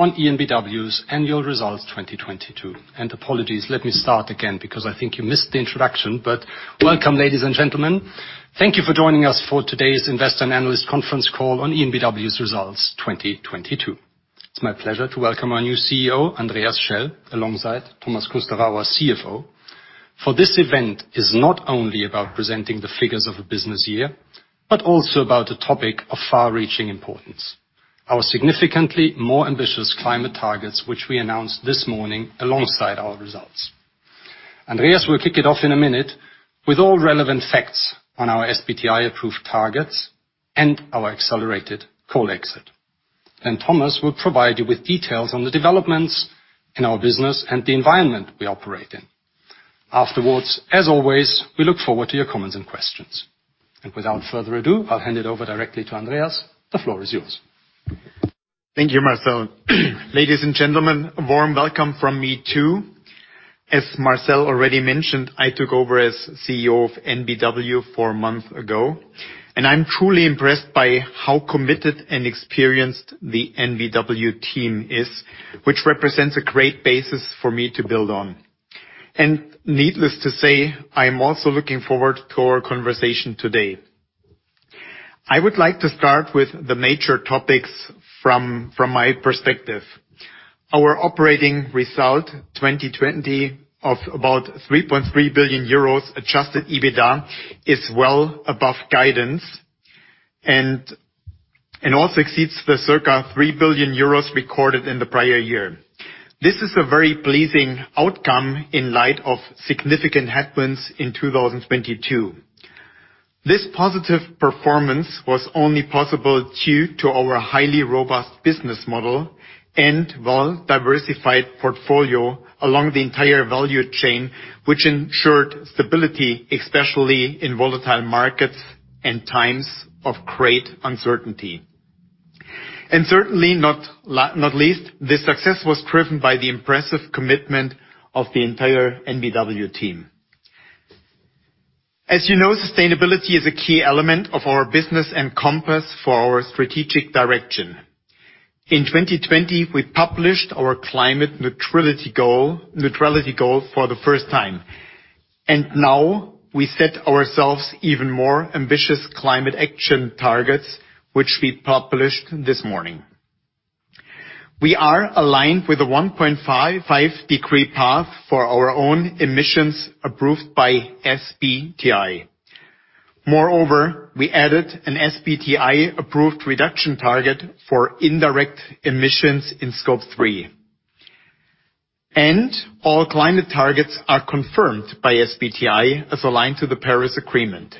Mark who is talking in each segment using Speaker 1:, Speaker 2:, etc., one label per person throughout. Speaker 1: On EnBW's annual results 2022. Apologies, let me start again because I think you missed the introduction. Welcome, ladies and gentlemen. Thank you for joining us for today's investor and analyst conference call on EnBW's results 2022. It's my pleasure to welcome our new CEO, Andreas Schell, alongside Thomas Kusterer, CFO, for this event is not only about presenting the figures of a business year, but also about the topic of far-reaching importance, our significantly more ambitious climate targets which we announced this morning alongside our results. Andreas will kick it off in a minute with all relevant facts on our SBTi-approved targets and our accelerated coal exit. Thomas will provide you with details on the developments in our business and the environment we operate in. Afterwards, as always, we look forward to your comments and questions. Without further ado, I'll hand it over directly to Andreas. The floor is yours.
Speaker 2: Thank you, Marcel. Ladies and gentlemen, a warm welcome from me too. As Marcel already mentioned, I took over as CEO of EnBW four months ago, I'm truly impressed by how committed and experienced the EnBW team is, which represents a great basis for me to build on. Needless to say, I am also looking forward to our conversation today. I would like to start with the major topics from my perspective. Our operating result 2020 of about 3.3 billion euros adjusted EBITDA is well above guidance and also exceeds the circa 3 billion euros recorded in the prior year. This is a very pleasing outcome in light of significant headwinds in 2022. This positive performance was only possible due to our highly robust business model and well-diversified portfolio along the entire value chain, which ensured stability, especially in volatile markets and times of great uncertainty. Certainly not least, this success was driven by the impressive commitment of the entire EnBW team. As you know, sustainability is a key element of our business and compass for our strategic direction. In 2020, we published our climate neutrality goal for the first time. Now we set ourselves even more ambitious climate action targets, which we published this morning. We are aligned with a 1.5-degree path for our own emissions approved by SBTi. Moreover, we added an SBTi-approved reduction target for indirect emissions in Scope three. All climate targets are confirmed by SBTi as aligned to the Paris Agreement.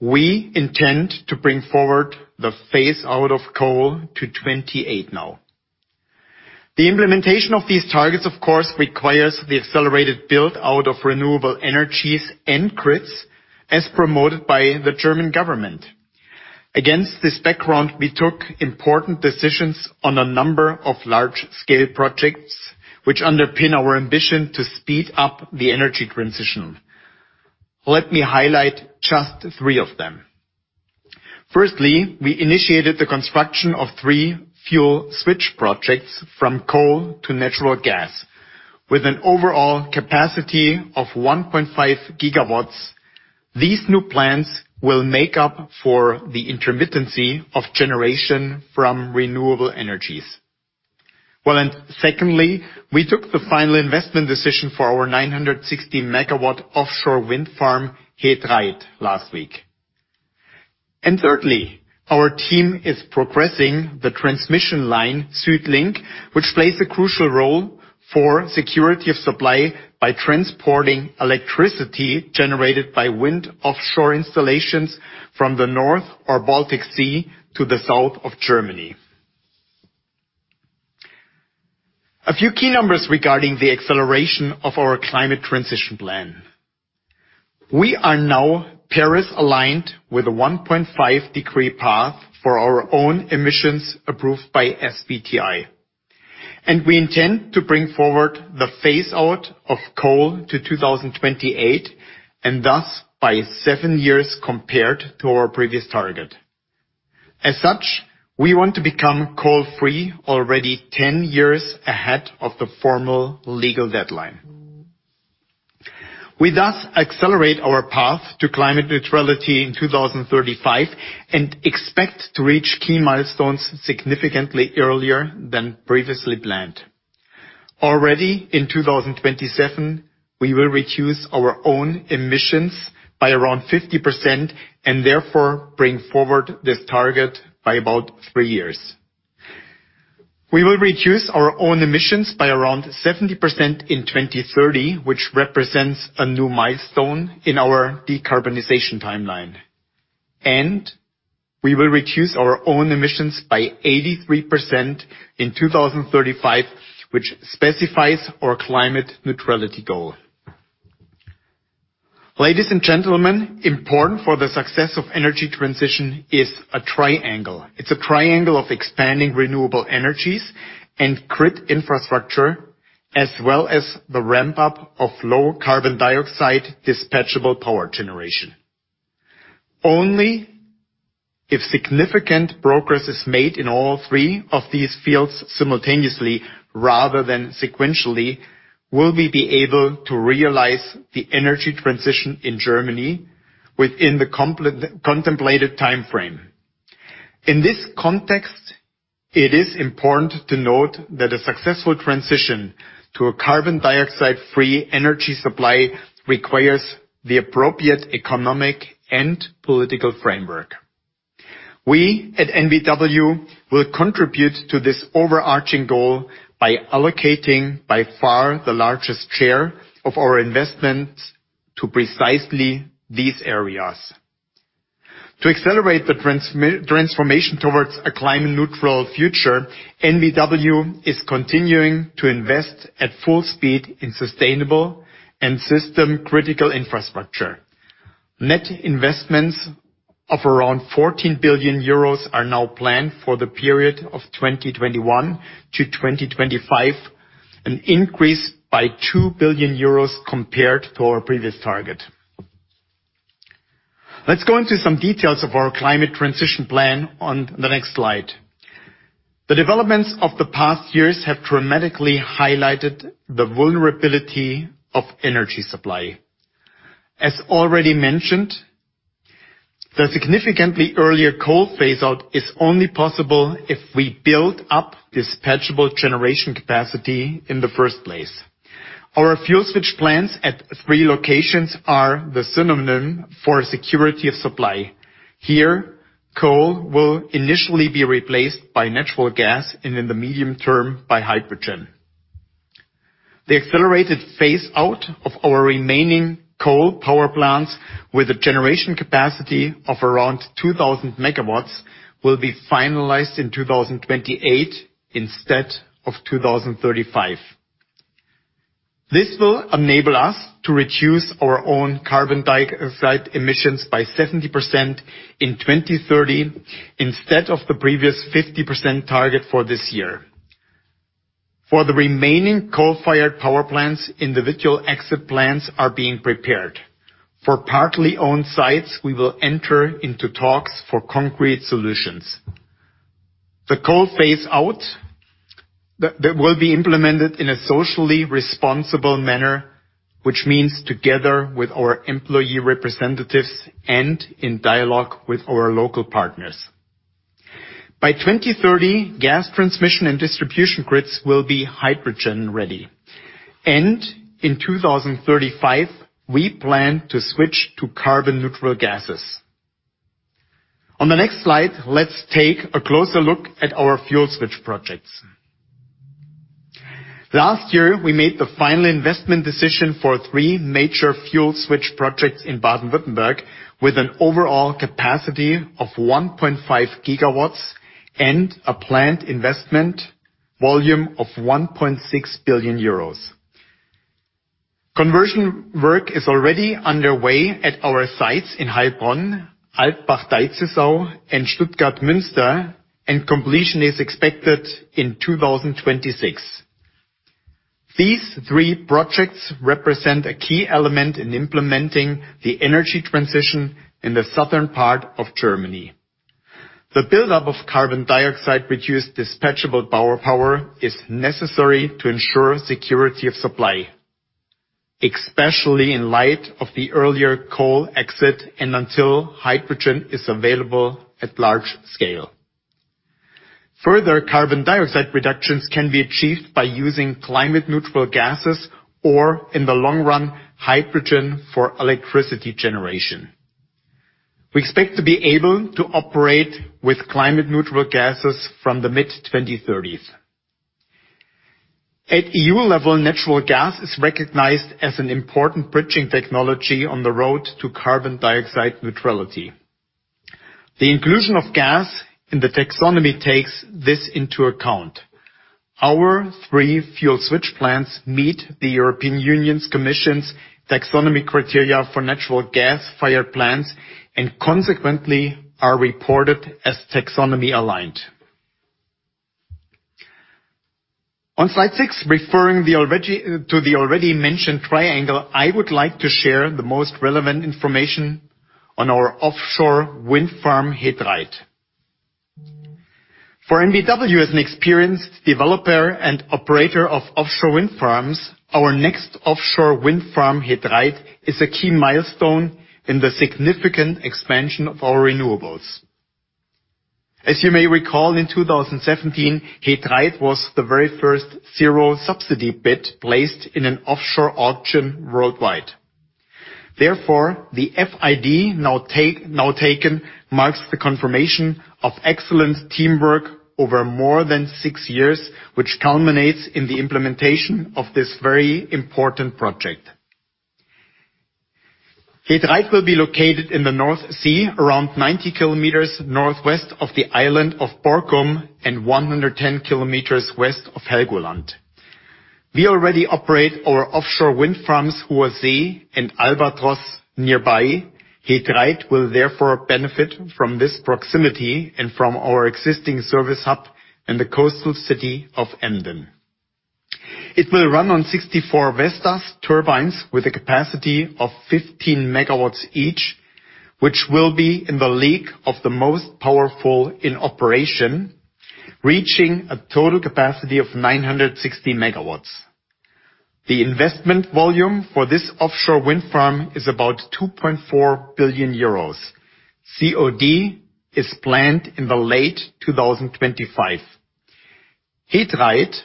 Speaker 2: We intend to bring forward the phase out of coal to 28 now. The implementation of these targets of course, requires the accelerated build-out of renewable energies and grids as promoted by the German government. Against this background, we took important decisions on a number of large-scale projects, which underpin our ambition to speed up the energy transition. Let me highlight just three of them. Firstly, we initiated the construction of three fuel switch projects from coal to natural gas. With an overall capacity of 1.5 GW, these new plants will make up for the intermittency of generation from renewable energies. Secondly, we took the final investment decision for our 960 MW offshore wind farm, He Dreiht, last week. Thirdly, our team is progressing the transmission line SüdLink, which plays a crucial role for security of supply by transporting electricity generated by wind offshore installations from the North or Baltic Sea to the South of Germany. A few key numbers regarding the acceleration of our climate transition plan. We are now Paris-aligned with a 1.5-degree path for our own emissions approved by SBTi. We intend to bring forward the phase out of coal to 2028, and thus by seven years compared to our previous target. As such, we want to become coal-free already 10 years ahead of the formal legal deadline. We thus accelerate our path to climate neutrality in 2035 and expect to reach key milestones significantly earlier than previously planned. Already in 2027, we will reduce our own emissions by around 50% therefore bring forward this target by about three years. We will reduce our own emissions by around 70% in 2030, which represents a new milestone in our decarbonization timeline. We will reduce our own emissions by 83% in 2035, which specifies our climate neutrality goal. Ladies and gentlemen, important for the success of energy transition is a triangle. It's a triangle of expanding renewable energies and grid infrastructure as well as the ramp up of low carbon dioxide dispatchable power generation. Only if significant progress is made in all three of these fields simultaneously, rather than sequentially, will we be able to realize the energy transition in Germany within the contemplated timeframe. In this context, it is important to note that a successful transition to a carbon dioxide-free energy supply requires the appropriate economic and political framework. We at EnBW will contribute to this overarching goal by allocating by far the largest share of our investments to precisely these areas. To accelerate the transformation towards a climate neutral future, EnBW is continuing to invest at full speed in sustainable and System Critical Infrastructure. Net investments of around 14 billion euros are now planned for the period of 2021 to 2025, an increase by 2 billion euros compared to our previous target. Let's go into some details of our climate transition plan on the next slide. The developments of the past years have dramatically highlighted the vulnerability of energy supply. As already mentioned, the significantly earlier coal phase out is only possible if we build up dispatchable generation capacity in the first place. Our fuel switch plants at three locations are the synonym for security of supply. Here, coal will initially be replaced by natural gas and in the medium term by hydrogen. The accelerated phase out of our remaining coal power plants with a generation capacity of around 2,000 MW will be finalized in 2028 instead of 2035. This will enable us to reduce our own carbon dioxide emissions by 70% in 2030 instead of the previous 50% target for this year. For the remaining coal-fired power plants, individual exit plans are being prepared. For partly owned sites, we will enter into talks for concrete solutions. The coal phase out that will be implemented in a socially responsible manner, which means together with our employee representatives and in dialogue with our local partners. By 2030, gas transmission and distribution grids will be hydrogen ready. In 2035, we plan to switch to carbon neutral gases. On the next slide, let's take a closer look at our fuel switch projects. Last year, we made the final investment decision for three major fuel switch projects in Baden-Württemberg with an overall capacity of 1.5 GW and a planned investment volume of 1.6 billion euros. Conversion work is already underway at our sites in Heilbronn, Altbach-Deizisau, and Stuttgart Münster, and completion is expected in 2026. These three projects represent a key element in implementing the energy transition in the southern part of Germany. The buildup of carbon dioxide reduced dispatchable power is necessary to ensure security of supply, especially in light of the earlier coal exit and until hydrogen is available at large scale. Further carbon dioxide reductions can be achieved by using climate neutral gases or in the long run, hydrogen for electricity generation. We expect to be able to operate with climate neutral gases from the mid-2030s. At EU level, natural gas is recognized as an important bridging technology on the road to carbon dioxide neutrality. The inclusion of gas in the taxonomy takes this into account. Our three fuel switch plants meet the European Union's Commission's taxonomy criteria for natural gas-fired plants and consequently are reported as taxonomy aligned. On slide six, referring to the already mentioned triangle, I would like to share the most relevant information on our offshore wind farm He Dreiht. For EnBW as an experienced developer and operator of offshore wind farms, our next offshore wind farm He Dreiht is a key milestone in the significant expansion of our renewables. As you may recall, in 2017, He Dreiht was the very first zero subsidy bid placed in an offshore auction worldwide. The FID now taken marks the confirmation of excellent teamwork over more than six years, which culminates in the implementation of this very important project. He Dreiht will be located in the North Sea, around 90 kilometers northwest of the island of Borkum and 110 kilometers west of Helgoland. We already operate our offshore wind farms Hohe See and Albatros nearby. He Dreiht will benefit from this proximity and from our existing service hub in the coastal city of Emden. It will run on 64 Vestas turbines with a capacity of 15 MW each, which will be in the league of the most powerful in operation, reaching a total capacity of 960 MW. The investment volume for this offshore wind farm is about 2.4 billion euros. COD is planned in the late 2025. He Dreiht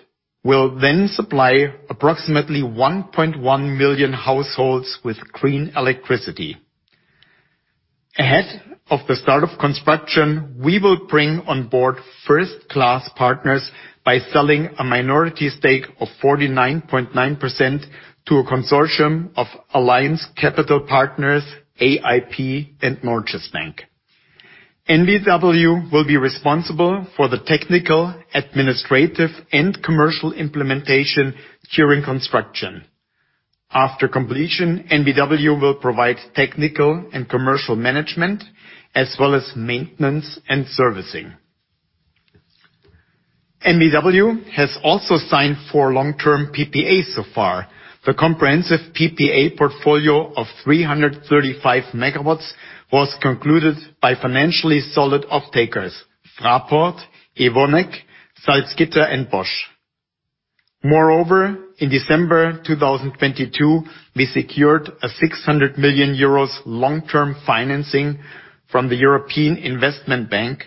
Speaker 2: will supply approximately 1.1 million households with clean electricity. Ahead of the start of construction, we will bring on board first-class partners by selling a minority stake of 49.9% to a consortium of Allianz Capital Partners, AIP, and Norges Bank. EnBW will be responsible for the technical, administrative, and commercial implementation during construction. After completion, EnBW will provide technical and commercial management, as well as maintenance and servicing. EnBW has also signed four long-term PPAs so far. The comprehensive PPA portfolio of 335 MW was concluded by financially solid off-takers, Fraport, Evonik, Salzgitter, and Bosch. Moreover, in December 2022, we secured a 600 million euros long-term financing from the European Investment Bank,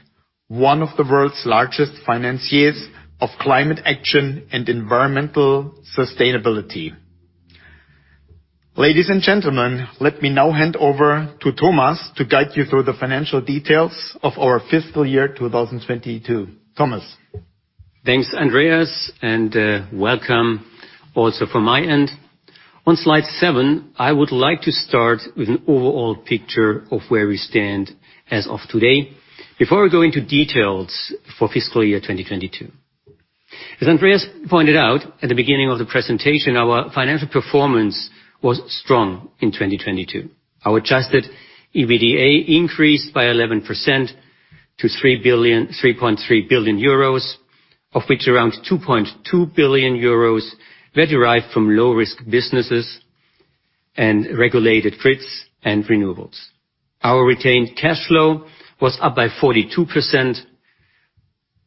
Speaker 2: one of the world's largest financiers of climate action and environmental sustainability. Ladies and gentlemen, let me now hand over to Thomas to guide you through the financial details of our fiscal year 2022. Thomas.
Speaker 3: Thanks, Andreas, and welcome also from my end. On slide seven, I would like to start with an overall picture of where we stand as of today before we go into details for fiscal year 2022. As Andreas pointed out at the beginning of the presentation, our financial performance was strong in 2022. Our adjusted EBITDA increased by 11%-EUR 3.3 billion, of which around 2.2 billion euros were derived from low-risk businesses and regulated grids and renewables. Our retained cash flow was up by 42%,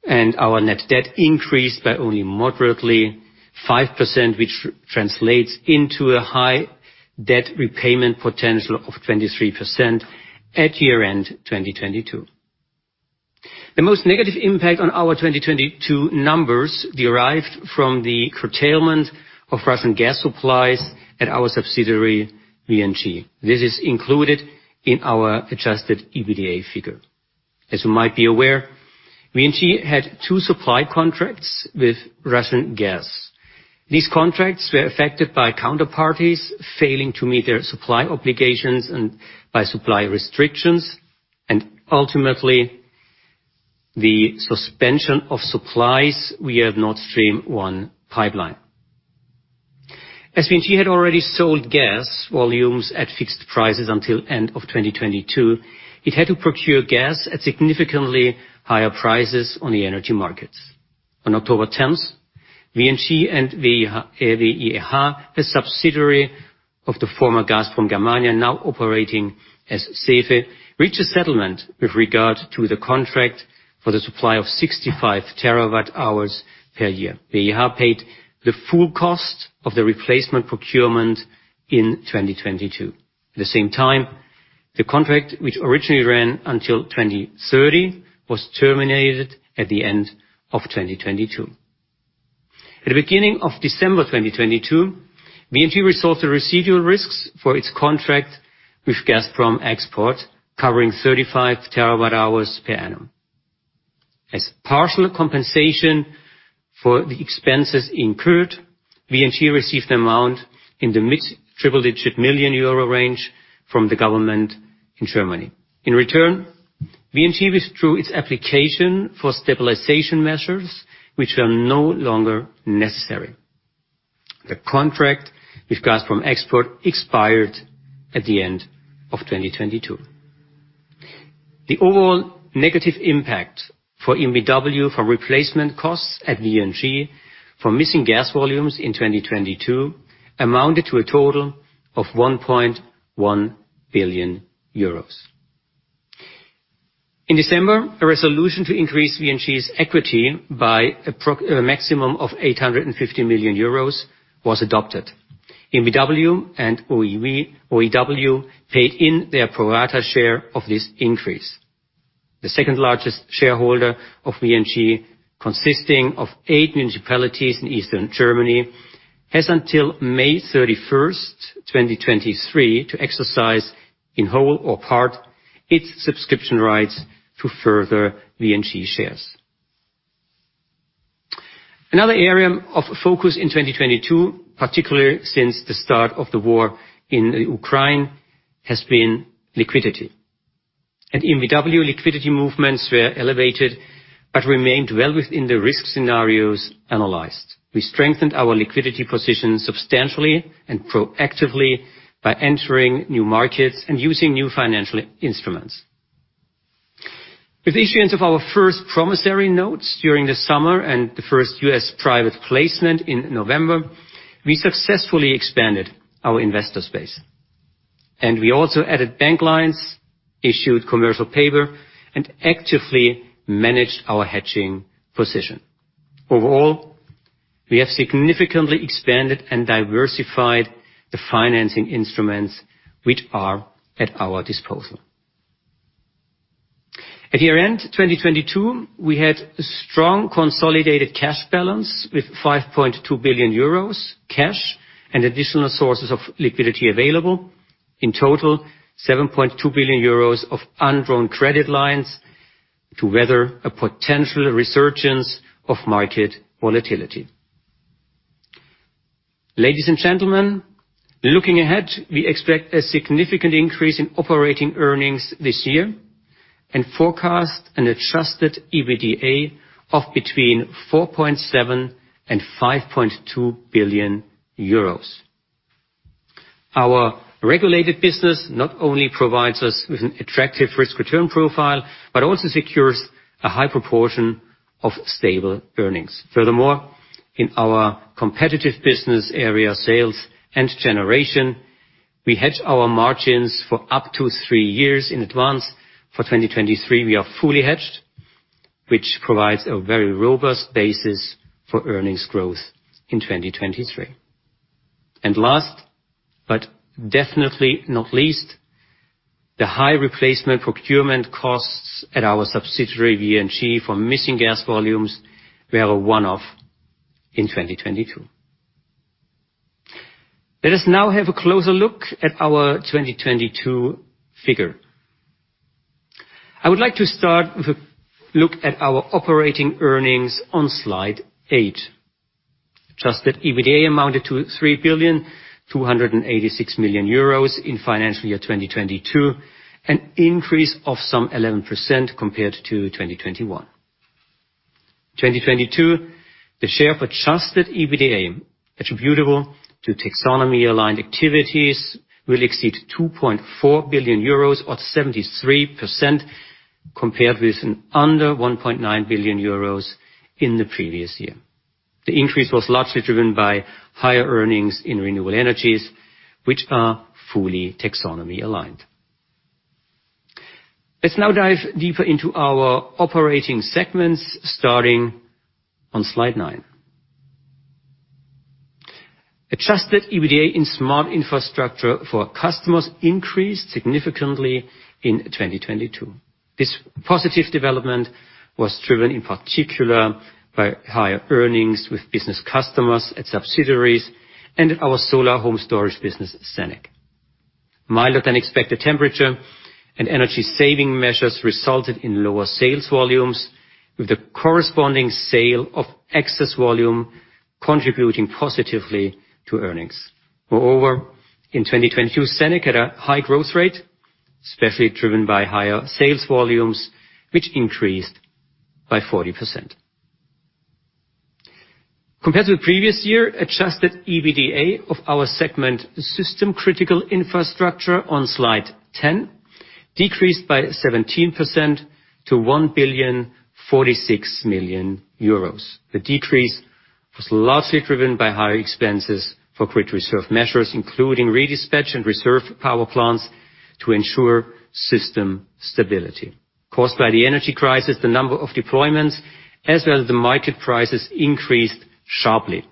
Speaker 3: and our net debt increased by only moderately 5%, which translates into a high debt repayment potential of 23% at year-end 2022. The most negative impact on our 2022 numbers derived from the curtailment of Russian gas supplies at our subsidiary, VNG. This is included in our adjusted EBITDA figure. As you might be aware, VNG had two supply contracts with Russian gas. These contracts were affected by counterparties failing to meet their supply obligations and by supply restrictions, and ultimately the suspension of supplies via Nord Stream One pipeline. As VNG had already sold gas volumes at fixed prices until end of 2022, it had to procure gas at significantly higher prices on the energy markets. On October 10th, VNG and WIEH, a subsidiary of the former Gazprom Germania, now operating as SEFE, reached a settlement with regard to the contract for the supply of 65 TWh per year. WIEH paid the full cost of the replacement procurement in 2022. At the same time, the contract, which originally ran until 2030, was terminated at the end of 2022. At the beginning of December 2022, VNG resolved the residual risks for its contract with Gazprom Export, covering 35 TWh per annum. As partial compensation for the expenses incurred, VNG received an amount in the mid-triple digit million euro range from the government in Germany. In return, VNG withdrew its application for stabilization measures, which are no longer necessary. The contract with Gazprom Export expired at the end of 2022. The overall negative impact for EnBW from replacement costs at VNG for missing gas volumes in 2022 amounted to a total of 1.1 billion euros. In December, a resolution to increase VNG's equity by a maximum of 850 million euros was adopted. EnBW and OEW paid in their pro rata share of this increase. The second-largest shareholder of VNG, consisting of eight municipalities in Eastern Germany, has until May 31st, 2023, to exercise, in whole or part, its subscription rights to further VNG shares. Another area of focus in 2022, particularly since the start of the war in Ukraine, has been liquidity. EnBW liquidity movements were elevated but remained well within the risk scenarios analyzed. We strengthened our liquidity position substantially and proactively by entering new markets and using new financial instruments. With issuance of our first promissory notes during the summer and the first US private placement in November, we successfully expanded our investor space. We also added bank lines, issued commercial paper, and actively managed our hedging position. Overall, we have significantly expanded and diversified the financing instruments which are at our disposal. At year-end 2022, we had a strong consolidated cash balance with 5.2 billion euros cash and additional sources of liquidity available. In total, 7.2 billion euros of undrawn credit lines to weather a potential resurgence of market volatility. Ladies and gentlemen, looking ahead, we expect a significant increase in operating earnings this year and forecast an adjusted EBITDA of between 4.7 billion and 5.2 billion euros. Our regulated business not only provides us with an attractive risk-return profile, but also secures a high proportion of stable earnings. Furthermore, in our competitive business area, sales and generation, we hedge our margins for up to three years in advance. For 2023, we are fully hedged, which provides a very robust basis for earnings growth in 2023. Last, but definitely not least, the high replacement procurement costs at our subsidiary, VNG, for missing gas volumes were a one-off in 2022. Let us now have a closer look at our 2022 figure. I would like to start with a look at our operating earnings on slide eight. Adjusted EBITDA amounted to 3.286 billion in financial year 2022, an increase of some 11% compared to 2021. In 2022, the share of adjusted EBITDA attributable to taxonomy-aligned activities will exceed 2.4 billion euros, or 73%, compared with under 1.9 billion euros in the previous year. The increase was largely driven by higher earnings in renewable energies, which are fully taxonomy-aligned. Let's now dive deeper into our operating segments, starting on slide nine. Adjusted EBITDA in Smart Infrastructure for Customers increased significantly in 2022. This positive development was driven in particular by higher earnings with business customers at subsidiaries and at our solar home storage business, SENEC. Milder-than-expected temperature and energy saving measures resulted in lower sales volumes, with the corresponding sale of excess volume contributing positively to earnings. Moreover, in 2022, SENEC had a high growth rate, especially driven by higher sales volumes, which increased by 40%. Compared to the previous year, adjusted EBITDA of our segment, System Critical Infrastructure, on slide 10, decreased by 17% to 1.046 billion. The decrease was largely driven by higher expenses for grid reserve measures, including redispatch and reserve power plants to ensure system stability. Caused by the energy crisis, the number of deployments, as well as the market prices, increased sharply.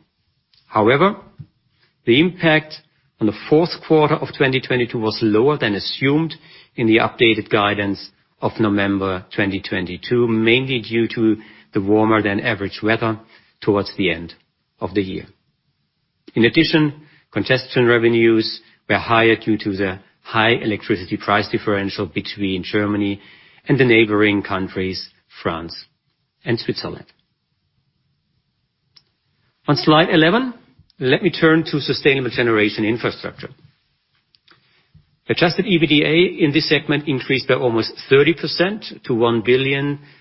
Speaker 3: The impact on the fourth quarter of 2022 was lower than assumed in the updated guidance of November 2022, mainly due to the warmer-than-average weather towards the end of the year. Congestion revenues were higher due to the high electricity price differential between Germany and the neighboring countries, France and Switzerland. On slide 11, let me turn to Sustainable Generation Infrastructure. Adjusted EBITDA in this segment increased by almost 30%-EUR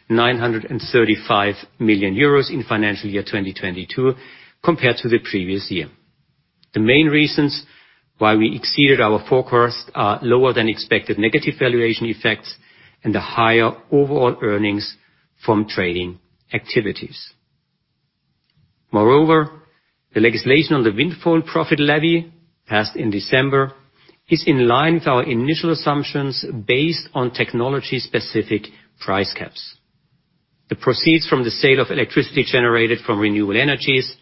Speaker 3: 1.935 billion in financial year 2022 compared to the previous year. The main reasons why we exceeded our forecast are lower than expected negative valuation effects and the higher overall earnings from trading activities. The legislation on the windfall profit levy passed in December is in line with our initial assumptions based on technology-specific price caps. The proceeds from the sale of electricity generated from renewable energies,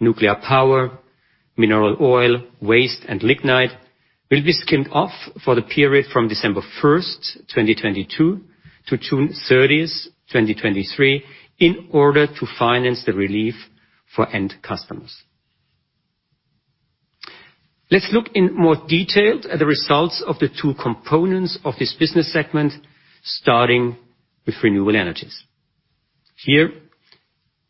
Speaker 3: nuclear power, mineral oil, waste, and lignite will be skimmed off for the period from December 1st, 2022 to June 30st, 2023 in order to finance the relief for end customers. Let's look in more detail at the results of the two components of this business segment, starting with renewable energies. Here,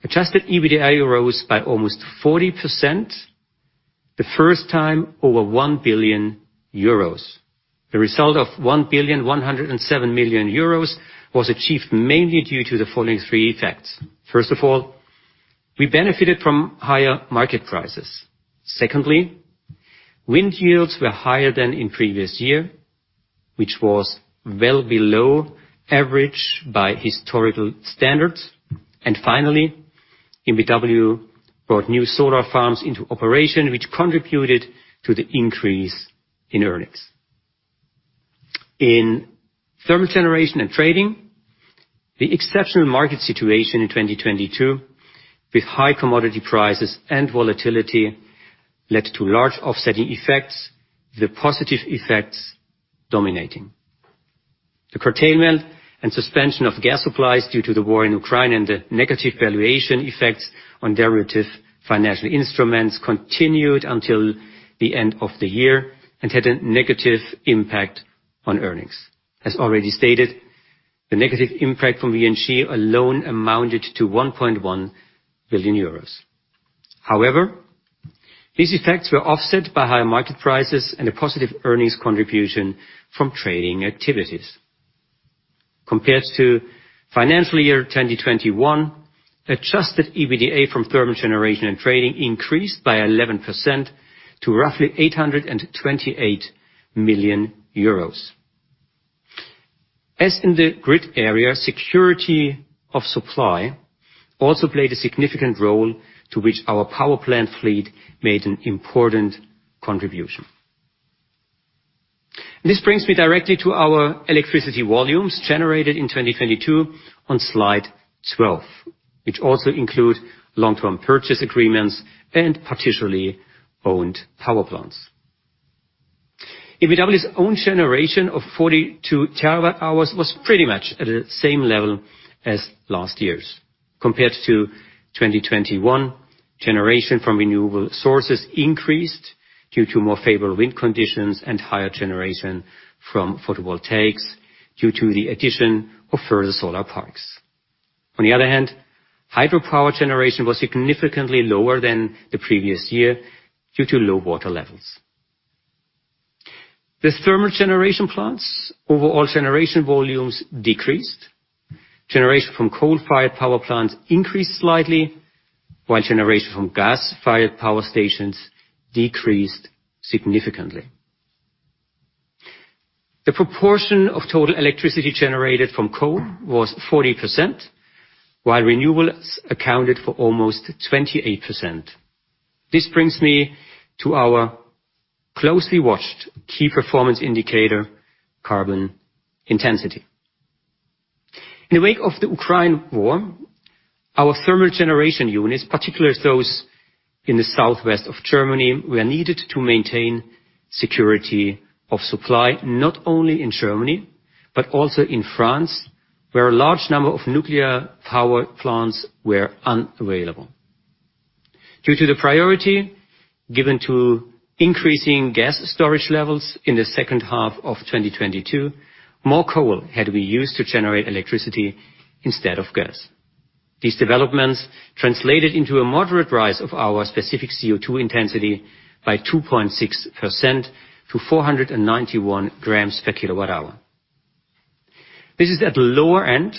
Speaker 3: adjusted EBITDA rose by almost 40%, the first time over 1 billion euros. The result of 1.107 billion was achieved mainly due to the following three effects. First of all, we benefited from higher market prices. Secondly, wind yields were higher than in previous year, which was well below average by historical standards. Finally, EnBW brought new solar farms into operation, which contributed to the increase in earnings. In thermal generation and trading, the exceptional market situation in 2022, with high commodity prices and volatility, led to large offsetting effects, the positive effects dominating. The curtailment and suspension of gas supplies due to the war in Ukraine and the negative valuation effects on derivative financial instruments continued until the end of the year and had a negative impact on earnings. As already stated, the negative impact from VNG alone amounted to 1.1 billion euros. However, these effects were offset by higher market prices and a positive earnings contribution from trading activities. Compared to financial year 2021, adjusted EBITDA from thermal generation and trading increased by 11% to roughly 828 million euros. As in the grid area, security of supply also played a significant role to which our power plant fleet made an important contribution. This brings me directly to our electricity volumes generated in 2022 on slide 12, which also include long-term purchase agreements and partially owned power plants. EnBW's own generation of 42 TWh was pretty much at the same level as last year's. Compared to 2021, generation from renewable sources increased due to more favorable wind conditions and higher generation from photovoltaics due to the addition of further solar parks. Hydropower generation was significantly lower than the previous year due to low water levels. With thermal generation plants, overall generation volumes decreased. Generation from coal-fired power plants increased slightly, while generation from gas-fired power stations decreased significantly. The proportion of total electricity generated from coal was 40%, while renewables accounted for almost 28%. This brings me to our closely watched key performance indicator, CO2 intensity. In the wake of the Ukraine war, our thermal generation units, particularly those in the southwest of Germany, were needed to maintain security of supply, not only in Germany, but also in France, where a large number of nuclear power plants were unavailable. Due to the priority given to increasing gas storage levels in the second half of 2022, more coal had to be used to generate electricity instead of gas. These developments translated into a moderate rise of our specific CO2 intensity by 2.6% to 491 grams per kWh. This is at the lower end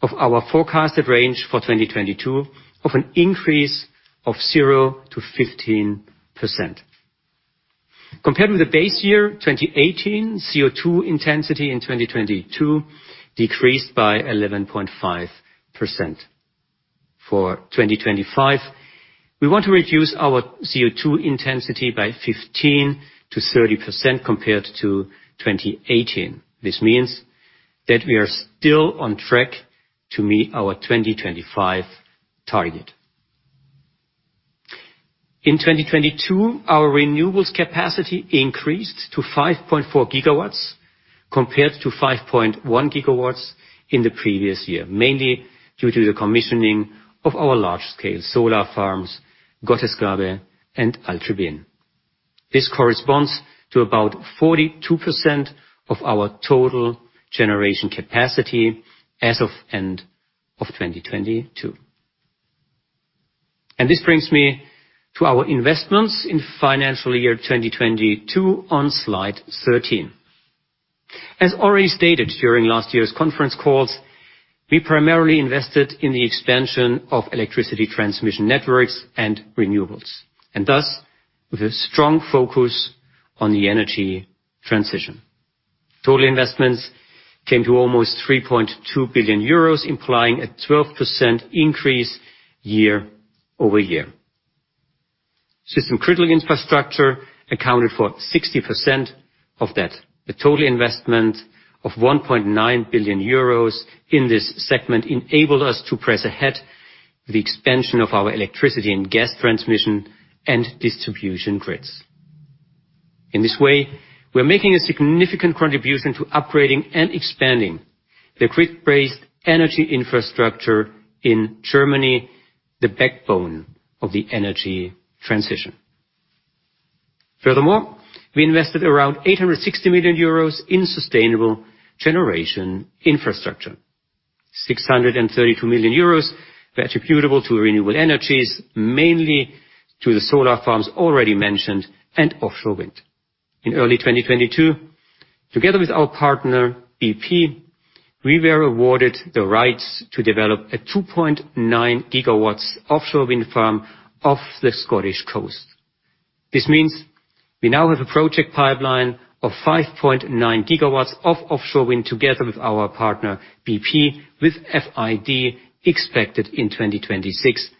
Speaker 3: of our forecasted range for 2022 of an increase of 0%-15%. Compared with the base year, 2018, CO2 intensity in 2022 decreased by 11.5%. For 2025, we want to reduce our CO2 intensity by 15%-30% compared to 2018. This means that we are still on track to meet our 2025 target. In 2022, our renewables capacity increased to 5.4 GW compared to 5.1 GW in the previous year, mainly due to the commissioning of our large-scale solar farms, Gottesgabe and Alttrebbin. This corresponds to about 42% of our total generation capacity as of end of 2022. This brings me to our investments in financial year 2022 on slide 13. As already stated during last year's conference calls, we primarily invested in the expansion of electricity transmission networks and renewables, and thus, with a strong focus on the energy transition. Total investments came to almost 3.2 billion euros, implying a 12% increase year-over-year. System Critical Infrastructure accounted for 60% of that. The total investment of 1.9 billion euros in this segment enabled us to press ahead the expansion of our electricity and gas transmission and distribution grids. In this way, we're making a significant contribution to upgrading and expanding the grid-based energy infrastructure in Germany, the backbone of the energy transition. We invested around 860 million euros in Sustainable Generation Infrastructure. 632 million euros were attributable to renewable energies, mainly to the solar farms already mentioned and offshore wind. In early 2022, together with our partner, bp, we were awarded the rights to develop a 2.9 GW offshore wind farm off the Scottish coast. This means we now have a project pipeline of 5.9 GW of offshore wind together with our partner, bp, with FID expected in 2026,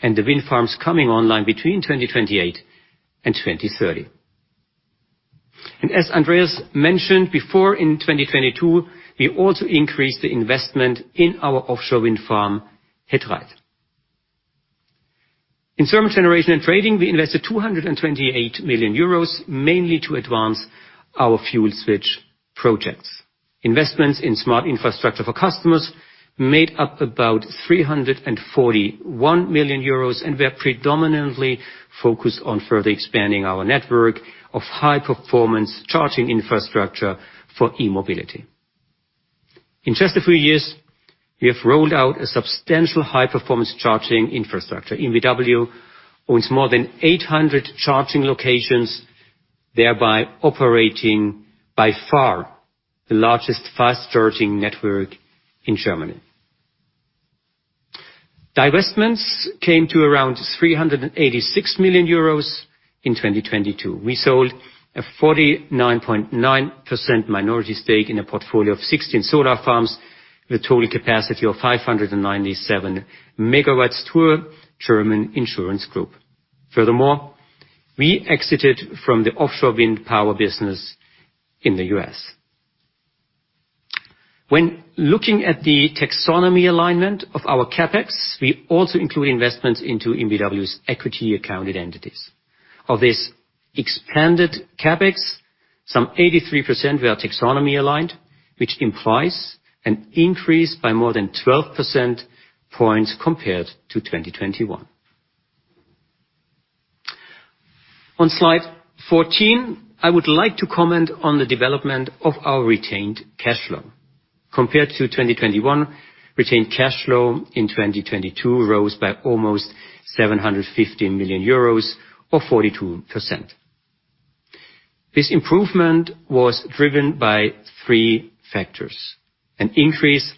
Speaker 3: and the wind farms coming online between 2028 and 2030. As Andreas mentioned before, in 2022, we also increased the investment in our offshore wind farm He Dreiht. In thermal generation and trading, we invested 228 million euros, mainly to advance our fuel switch projects. Investments in Smart Infrastructure for Customers made up about 341 million euros, and were predominantly focused on further expanding our network of high-performance charging infrastructure for e-mobility. In just a few years, we have rolled out a substantial high-performance charging infrastructure. EnBW owns more than 800 charging locations, thereby operating by far the largest fast charging network in Germany. Divestments came to around 386 million euros in 2022. We sold a 49.9% minority stake in a portfolio of 16 solar farms with a total capacity of 597 MW to a German insurance group. We exited from the offshore wind power business in the U.S. When looking at the taxonomy alignment of our CapEx, we also include investments into EnBW's equity accounted entities. Of this expanded CapEx, some 83% were taxonomy-aligned, which implies an increase by more than 12 percentage points compared to 2021. On slide 14, I would like to comment on the development of our retained cash flow. Compared to 2021, retained cash flow in 2022 rose by almost 750 million euros or 42%. This improvement was driven by three factors: an increase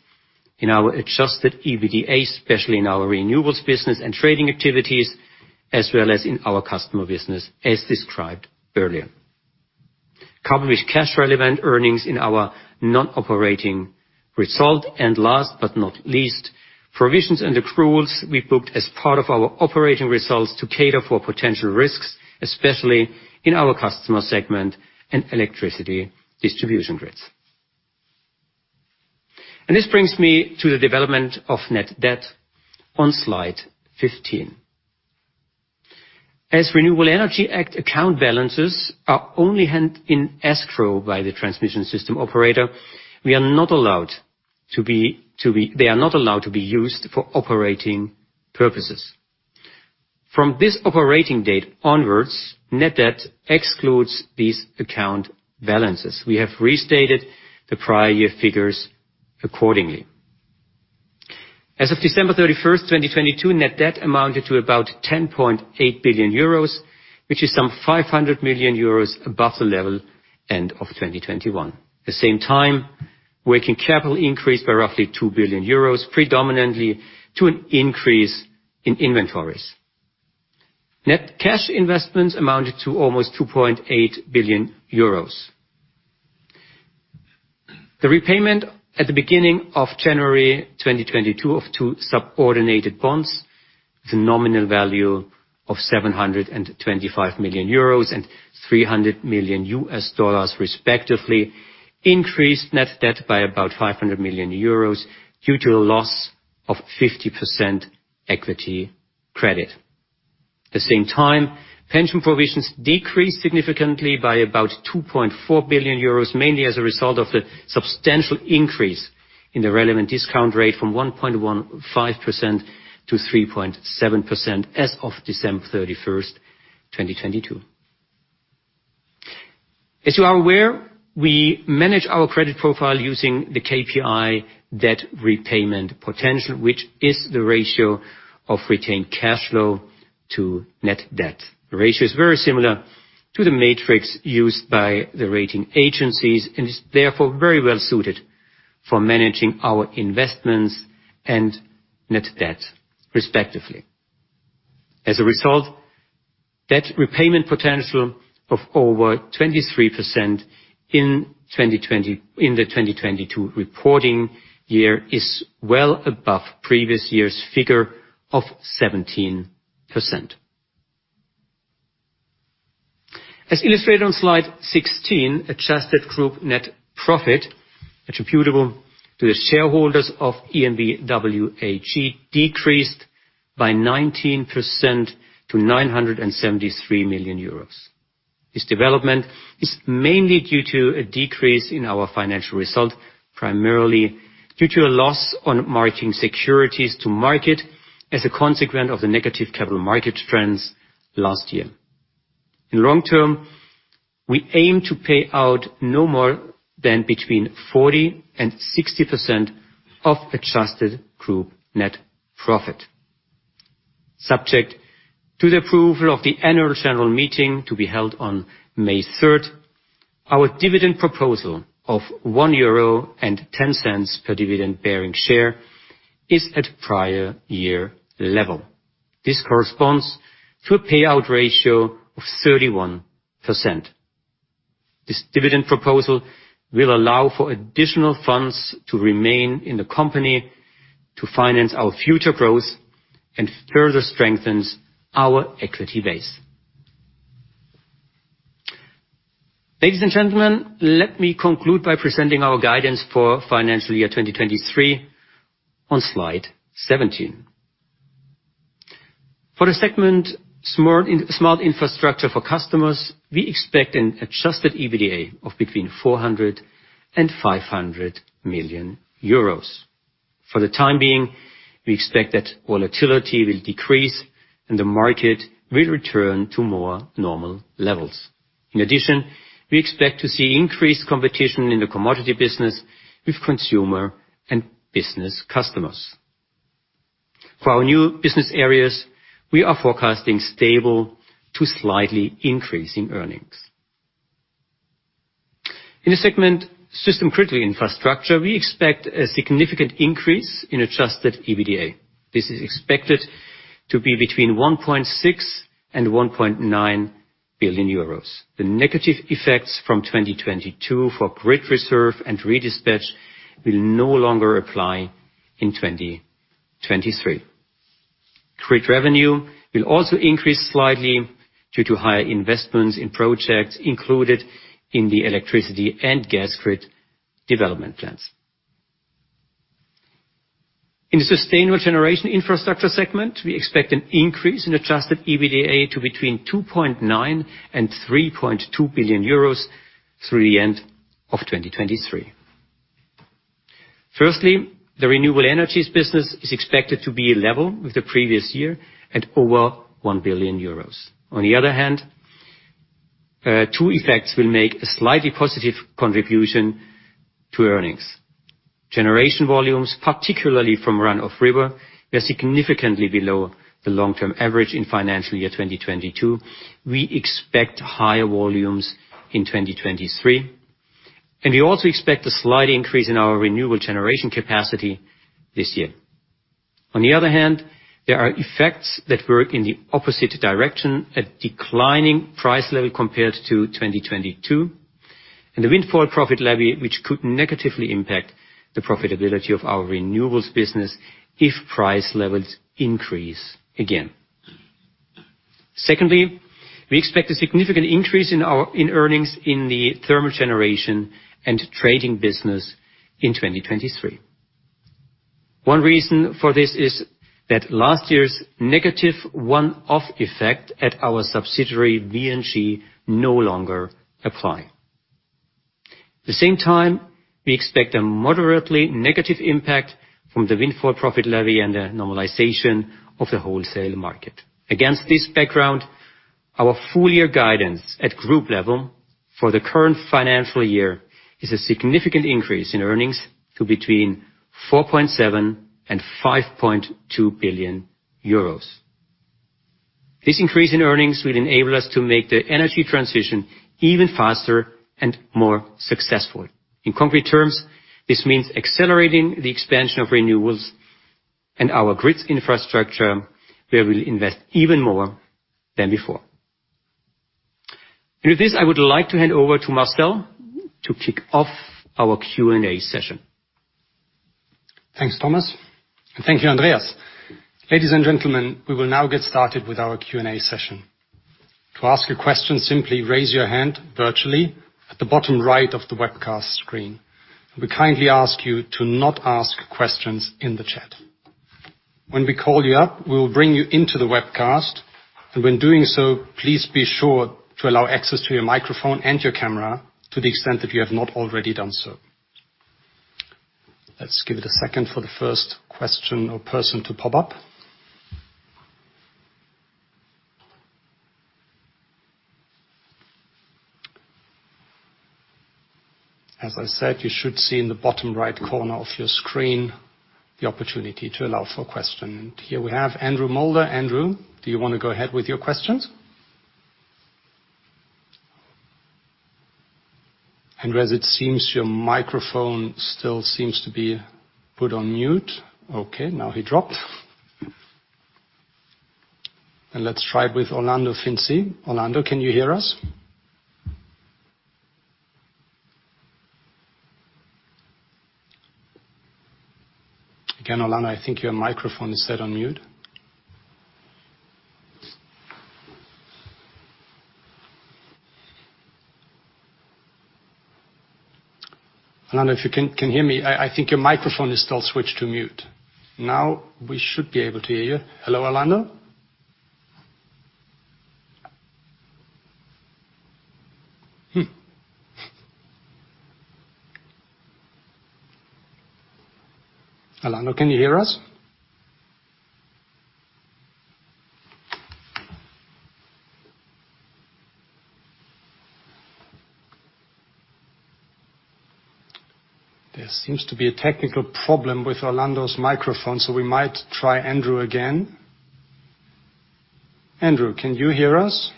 Speaker 3: in our adjusted EBITDA, especially in our renewables business and trading activities, as well as in our customer business, as described earlier. Covered with cash relevant earnings in our non-operating result. Last but not least, provisions and accruals we booked as part of our operating results to cater for potential risks, especially in our customer segment and electricity distribution grids. This brings me to the development of net debt on slide 15. As Renewable Energy Act account balances are only held in escrow by the transmission system operator, they are not allowed to be used for operating purposes. From this operating date onwards, net debt excludes these account balances. We have restated the prior year figures accordingly. As of December 31st, 2022, net debt amounted to about 10.8 billion euros, which is some 500 million euros above the level end of 2021. At the same time, working capital increased by roughly 2 billion euros, predominantly to an increase in inventories. Net cash investments amounted to almost 2.8 billion euros. The repayment at the beginning of January 2022 of two subordinated bonds with a nominal value of 725 million euros and $300 million respectively, increased net debt by about 500 million euros due to a loss of 50% equity credit. At the same time, pension provisions decreased significantly by about 2.4 billion euros, mainly as a result of the substantial increase in the relevant discount rate from 1.15% to 3.7% as of December 31st, 2022. As you are aware, we manage our credit profile using the KPI debt repayment potential, which is the ratio of retained cash flow to net debt. The ratio is very similar to the matrix used by the rating agencies and is therefore very well suited for managing our investments and net debt, respectively. As a result, debt repayment potential of over 23% in 2020, in the 2022 reporting year is well above previous year's figure of 17%. As illustrated on slide 16, adjusted group net profit attributable to the shareholders of EnBW AG decreased by 19% to 973 million euros. This development is mainly due to a decrease in our financial result, primarily due to a loss on marking securities to market. As a consequence of the negative capital market trends last year. In long term, we aim to pay out no more than between 40% and 60% of adjusted group net profit. Subject to the approval of the annual general meeting to be held on May 3rd, our dividend proposal of 1.10 euro per dividend-bearing share is at prior year level. This corresponds to a payout ratio of 31%. This dividend proposal will allow for additional funds to remain in the company to finance our future growth and further strengthens our equity base. Ladies and gentlemen, let me conclude by presenting our guidance for financial year 2023 on slide 17. For the segment Smart Infrastructure for Customers, we expect an adjusted EBITDA of between 400 million euros and 500 million euros. For the time being, we expect that volatility will decrease and the market will return to more normal levels. We expect to see increased competition in the commodity business with consumer and business customers. For our new business areas, we are forecasting stable to slightly increasing earnings. In the segment System Critical Infrastructure, we expect a significant increase in adjusted EBITDA. This is expected to be between 1.6 billion and 1.9 billion euros. The negative effects from 2022 for grid reserve and redispatch will no longer apply in 2023. Grid revenue will also increase slightly due to higher investments in projects included in the electricity and gas grid development plans. In the Sustainable Generation Infrastructure segment, we expect an increase in adjusted EBITDA to between 2.9 billion and 3.2 billion euros through the end of 2023. Firstly, the renewable energies business is expected to be level with the previous year at over 1 billion euros. On the other hand, two effects will make a slightly positive contribution to earnings. Generation volumes, particularly from run-of-river, were significantly below the long-term average in financial year 2022. We expect higher volumes in 2023, and we also expect a slight increase in our renewable generation capacity this year. There are effects that work in the opposite direction at declining price level compared to 2022, and the windfall profit levy, which could negatively impact the profitability of our renewables business if price levels increase again. We expect a significant increase in earnings in the thermal generation and trading business in 2023. One reason for this is that last year's negative one-off effect at our subsidiary VNG no longer apply. We expect a moderately negative impact from the windfall profit levy and the normalization of the wholesale market. Our full year guidance at group level for the current financial year is a significant increase in earnings to between 4.7 billion and 5.2 billion euros. This increase in earnings will enable us to make the energy transition even faster and more successful. In concrete terms, this means accelerating the expansion of renewables and our grids infrastructure, where we'll invest even more than before. With this, I would like to hand over to Marcel to kick off our Q&A session.
Speaker 1: Thanks, Thomas, and thank you, Andreas. Ladies and gentlemen, we will now get started with our Q&A session. To ask a question, simply raise your hand virtually at the bottom right of the webcast screen. We kindly ask you to not ask questions in the chat. When we call you up, we will bring you into the webcast. When doing so, please be sure to allow access to your microphone and your camera to the extent that you have not already done so. Let's give it a second for the first question or person to pop up. As I said, you should see in the bottom right corner of your screen the opportunity to allow for a question. Here we have Andrew Moulder. Andrew, do you wanna go ahead with your questions? Andreas, it seems your microphone still seems to be put on mute. Okay, now he dropped. Let's try with Orlando Finzi. Orlando, can you hear us? Again, Orlando, I think your microphone is set on mute. Orlando, if you can hear me, I think your microphone is still switched to mute. Now we should be able to hear you. Hello, Orlando? Orlando, can you hear us? There seems to be a technical problem with Orlando's microphone, so we might try Andrew again. Andrew, can you hear us?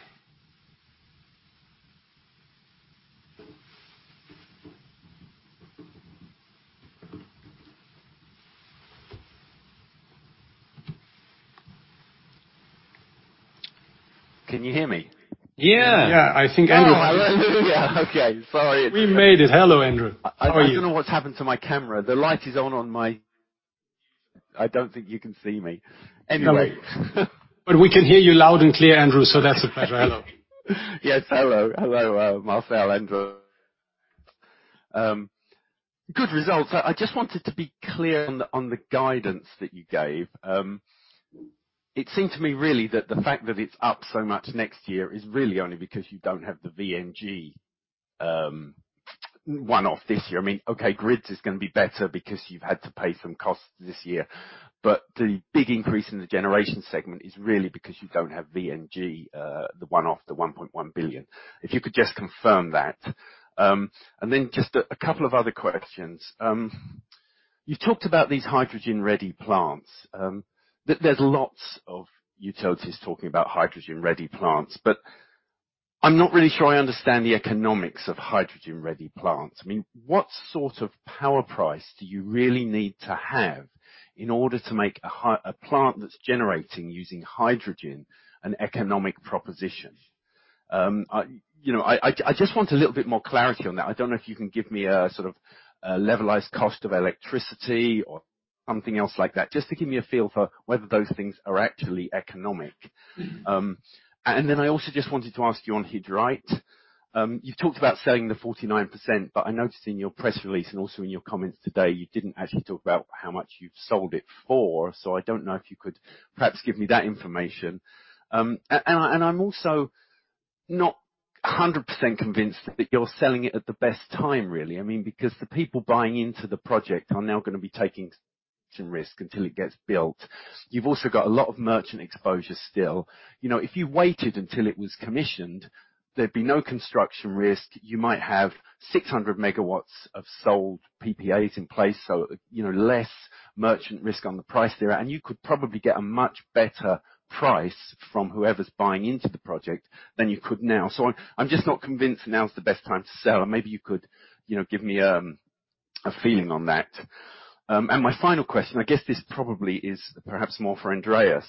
Speaker 4: Can you hear me?
Speaker 1: Yeah.
Speaker 3: Yeah, I think Andrew.
Speaker 4: Oh, hallelujah. Okay. Sorry.
Speaker 1: We made it. Hello, Andrew. How are you?
Speaker 4: I don't know what's happened to my camera. The light is on on my. I don't think you can see me. Anyway.
Speaker 1: We can hear you loud and clear, Andrew, so that's better.
Speaker 4: Hello. Yes, hello. Hello, Marcel, Andreas. Good results. I just wanted to be clear on the guidance that you gave. It seemed to me really that the fact that it's up so much next year is really only because you don't have the VNG one-off this year. I mean, okay, grids is gonna be better because you've had to pay some costs this year, but the big increase in the generation segment is really because you don't have VNG, the one-off, the 1.1 billion. If you could just confirm that. Then just a couple of other questions. You talked about these hydrogen-ready plants. There's lots of utilities talking about hydrogen-ready plants, but I'm not really sure I understand the economics of hydrogen-ready plants. I mean, what sort of power price do you really need to have in order to make a plant that's generating using hydrogen an economic proposition? I, you know, I just want a little bit more clarity on that. I don't know if you can give me a sort of a levelized cost of electricity or something else like that, just to give me a feel for whether those things are actually economic. And then I also just wanted to ask you on He Dreiht. You've talked about selling the 49%, but I noticed in your press release and also in your comments today, you didn't actually talk about how much you've sold it for. I don't know if you could perhaps give me that information. I'm also not 100% convinced that you're selling it at the best time, really. I mean, because the people buying into the project are now gonna be taking some risk until it gets built. You've also got a lot of merchant exposure still. You know, if you waited until it was commissioned, there'd be no construction risk. You might have 600 MW of sold PPAs in place, so, you know, less merchant risk on the price there. You could probably get a much better price from whoever's buying into the project than you could now. I'm just not convinced now is the best time to sell. Maybe you could, you know, give me a feeling on that. My final question, I guess this probably is perhaps more for Andreas.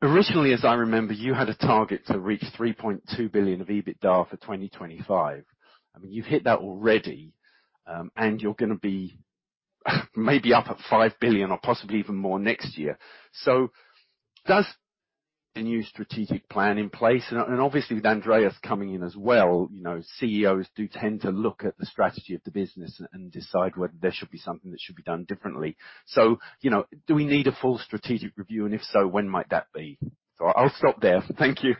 Speaker 4: Originally, as I remember, you had a target to reach 3.2 billion of EBITDA for 2025. I mean, you've hit that already, and you're gonna be maybe up at 5 billion or possibly even more next year. Does the new strategic plan in place? Obviously with Andreas coming in as well, you know, CEOs do tend to look at the strategy of the business and decide whether there should be something that should be done differently. You know, do we need a full strategic review? If so, when might that be? I'll stop there. Thank you.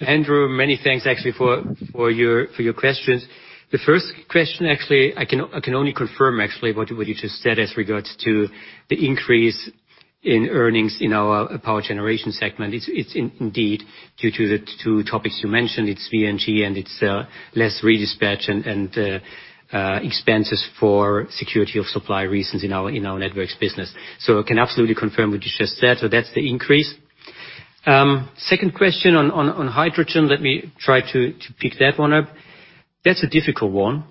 Speaker 3: Andrew, many thanks actually for your, for your questions. The first question, actually, I can only confirm actually what you just said as regards to the increase in earnings in our power generation segment. It's indeed due to the two topics you mentioned, it's VNG, and it's less redispatch and expenses for security of supply reasons in our networks business. I can absolutely confirm what you just said. That's the increase. Second question on hydrogen. Let me try to pick that one up. That's a difficult one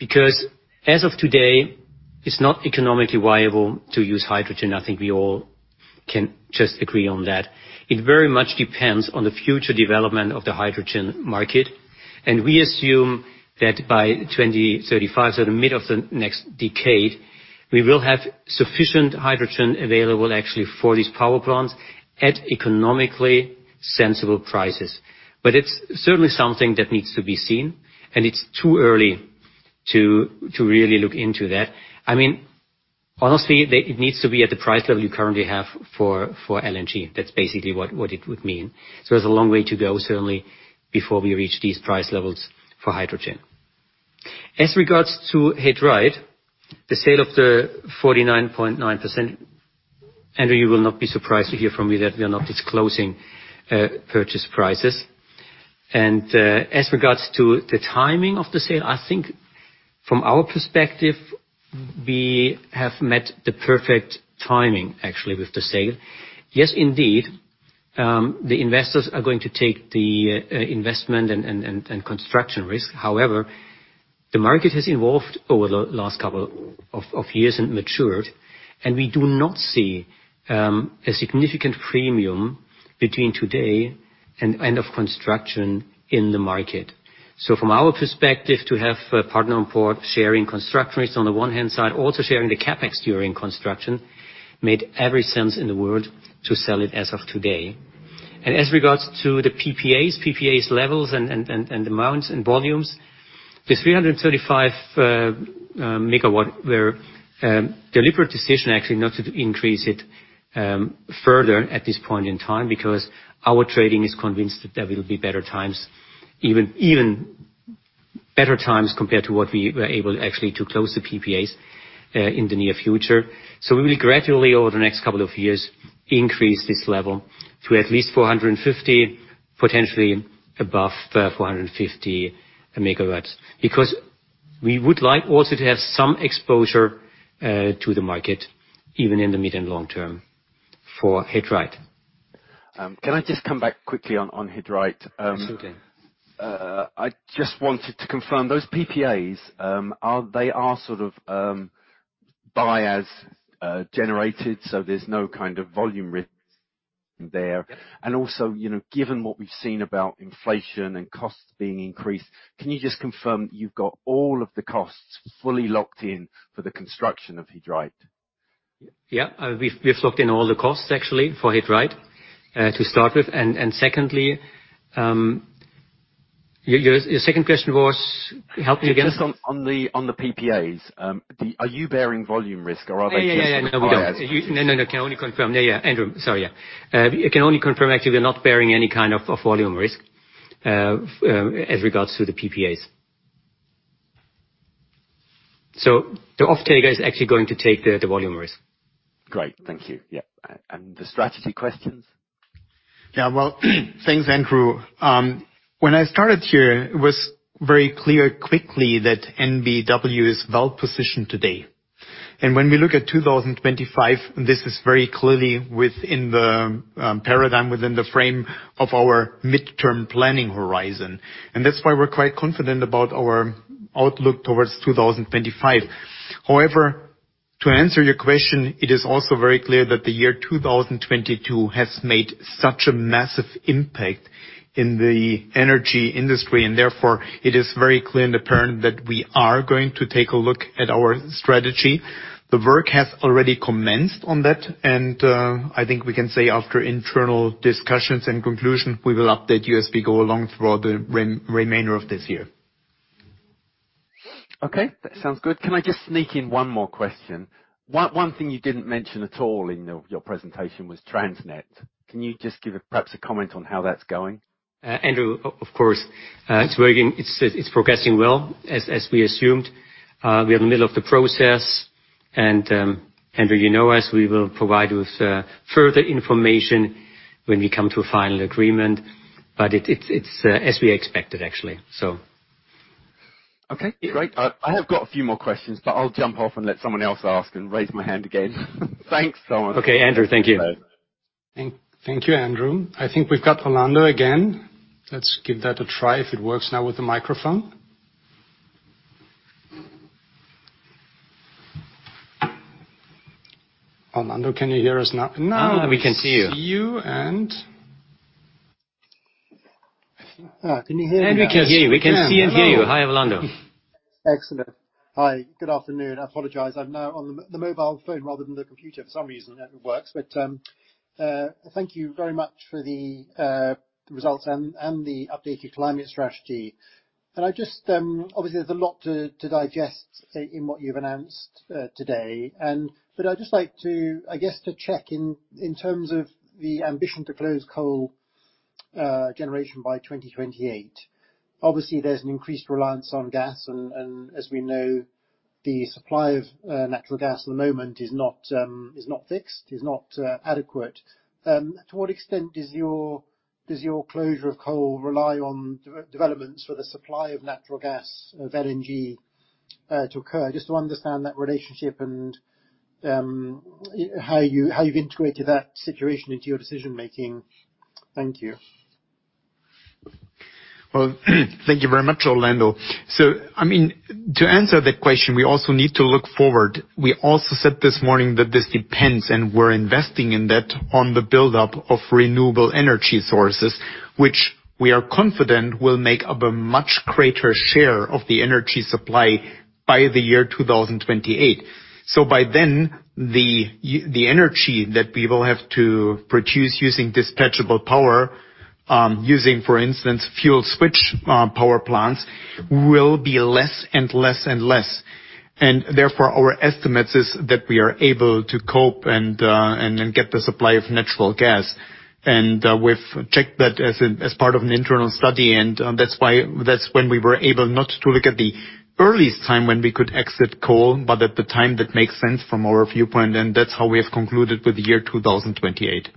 Speaker 3: because as of today, it's not economically viable to use hydrogen. I think we all can just agree on that. It very much depends on the future development of the hydrogen market. We assume that by 2035, so the mid of the next decade, we will have sufficient hydrogen available actually for these power plants at economically sensible prices. It's certainly something that needs to be seen, and it's too early to really look into that. I mean, honestly, it needs to be at the price level you currently have for LNG. That's basically what it would mean. There's a long way to go certainly, before we reach these price levels for hydrogen. As regards to He Dreiht, the sale of the 49.9%, Andrew, you will not be surprised to hear from me that we are not disclosing purchase prices. As regards to the timing of the sale, I think from our perspective, we have met the perfect timing actually with the sale. Indeed, the investors are going to take the investment and construction risk. However, the market has evolved over the last couple of years and matured, and we do not see a significant premium between today and end of construction in the market. From our perspective, to have a partner on board sharing construction risk on the one hand side, also sharing the CapEx during construction, made every sense in the world to sell it as of today. As regards to the PPAs levels and amounts and volumes. The 335 MW were deliberate decision actually not to increase it further at this point in time because our trading is convinced that there will be better times, even better times compared to what we were able actually to close the PPAs in the near future. We will gradually, over the next couple of years, increase this level to at least 450, potentially above 450 MW. We would like also to have some exposure to the market, even in the mid and long term for He Dreiht.
Speaker 4: Can I just come back quickly on He Dreiht?
Speaker 3: Absolutely.
Speaker 4: I just wanted to confirm, those PPAs, are they sort of, buy as generated, so there's no kind of volume rid there? You know, given what we've seen about inflation and costs being increased, can you just confirm that you've got all of the costs fully locked in for the construction of He Dreiht?
Speaker 3: Yeah. We've locked in all the costs actually for He Dreiht, to start with. Secondly, your second question was? Help me again.
Speaker 4: Just on the, on the PPAs. Are you bearing volume risk or are they just.
Speaker 3: Yeah, yeah, no, we are.
Speaker 4: Buy as.
Speaker 3: No, no, can only confirm. Yeah, Andrew, sorry, yeah. We can only confirm actually we're not bearing any kind of volume risk as regards to the PPAs. The offtaker is actually going to take the volume risk.
Speaker 4: Great. Thank you. Yeah. The strategy questions?
Speaker 2: Yeah, well, thanks, Andrew. When I started here, it was very clear quickly that EnBW is well positioned today. When we look at 2025, this is very clearly within the paradigm, within the frame of our midterm planning horizon. That's why we're quite confident about our outlook towards 2025. However, to answer your question, it is also very clear that the year 2022 has made such a massive impact in the energy industry. Therefore it is very clear and apparent that we are going to take a look at our strategy. The work has already commenced on that, I think we can say after internal discussions and conclusion, we will update you as we go along throughout the remainder of this year.
Speaker 4: Okay, that sounds good. Can I just sneak in one more question? One thing you didn't mention at all in your presentation was Transnet. Can you just give perhaps a comment on how that's going?
Speaker 3: Andrew, of course. It's working. It's progressing well as we assumed. We are in the middle of the process. Andrew, you know us, we will provide with further information when we come to a final agreement. It's as we expected, actually.
Speaker 4: Okay. Great. I have got a few more questions, but I'll jump off and let someone else ask and raise my hand again. Thanks so much.
Speaker 3: Okay, Andrew. Thank you.
Speaker 4: Bye.
Speaker 1: Thank you, Andrew. I think we've got Orlando again. Let's give that a try if it works now with the microphone. Orlando, can you hear us now?
Speaker 5: Now we can see you.
Speaker 2: We see you and.
Speaker 5: Can you hear me now?
Speaker 3: Andrew, we can hear you. We can see and hear you. Hi, Orlando.
Speaker 5: Excellent. Hi. Good afternoon. I apologize. I'm now on the mobile phone rather than the computer. For some reason, it works. Thank you very much for the results and the updated climate strategy. I just. Obviously, there's a lot to digest in what you've announced today. I'd just like to, I guess, to check in terms of the ambition to close coal generation by 2028. Obviously, there's an increased reliance on gas, and as we know, the supply of natural gas at the moment is not fixed, is not adequate. To what extent does your closure of coal rely on developments for the supply of natural gas, of LNG to occur? Just to understand that relationship and how you've integrated that situation into your decision-making. Thank you.
Speaker 2: Well, thank you very much, Orlando. I mean, to answer the question, we also need to look forward. We also said this morning that this depends, and we're investing in that, on the buildup of renewable energy sources, which we are confident will make up a much greater share of the energy supply by the year 2028. By then, the energy that we will have to produce using dispatchable power, using, for instance, fuel switch power plants, will be less and less and less. Therefore, our estimates is that we are able to cope and get the supply of natural gas. We've checked that as a, as part of an internal study, and, that's why... That's when we were able not to look at the earliest time when we could exit coal, but at the time that makes sense from our viewpoint, and that's how we have concluded with the year 2028.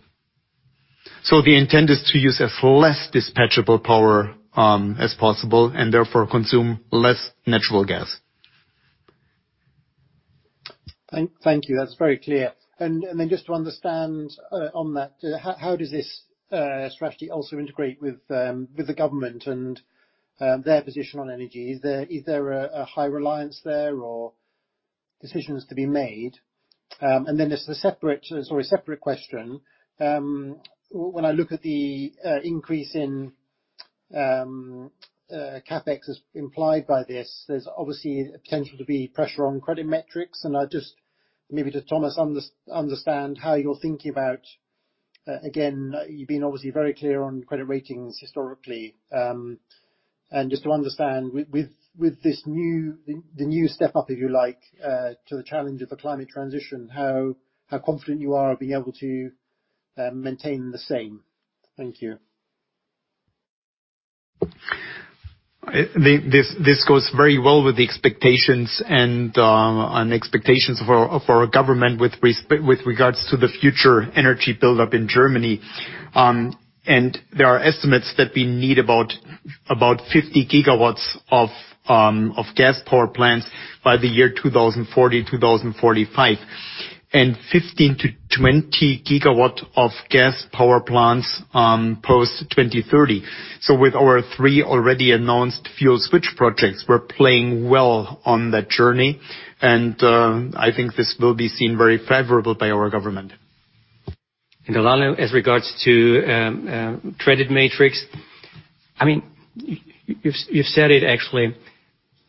Speaker 2: The intent is to use as less dispatchable power as possible and therefore consume less natural gas.
Speaker 5: Thank you. That's very clear. Just to understand on that, how does this strategy also integrate with the government and their position on energy? Is there a high reliance there or decisions to be made? Just a separate question. When I look at the increase in CapEx as implied by this, there's obviously a potential to be pressure on credit metrics. Maybe just Thomas, understand how you're thinking about. Again, you've been obviously very clear on credit ratings historically. Just to understand with this new step up, if you like, to the challenge of a climate transition, how confident you are of being able to maintain the same? Thank you.
Speaker 2: This goes very well with the expectations and expectations of our government with regards to the future energy buildup in Germany. There are estimates that we need about 50 gigawatts of gas power plants by the year 2040, 2045, and 15 GW to 20 GW of gas power plants post 2030. With our three already announced fuel switch projects, we're playing well on that journey, and I think this will be seen very favorable by our government.
Speaker 3: Orlando, as regards to, credit matrix, I mean, you've said it actually.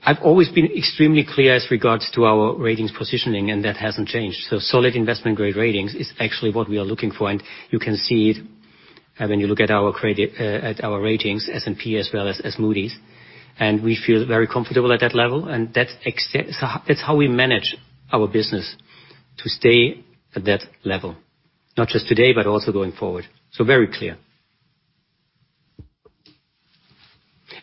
Speaker 3: I've always been extremely clear as regards to our ratings positioning, and that hasn't changed. Solid investment-grade ratings is actually what we are looking for. You can see it when you look at our credit at our ratings, S&P as well as Moody's. We feel very comfortable at that level, and that's how we manage our business to stay at that level, not just today, but also going forward. Very clear.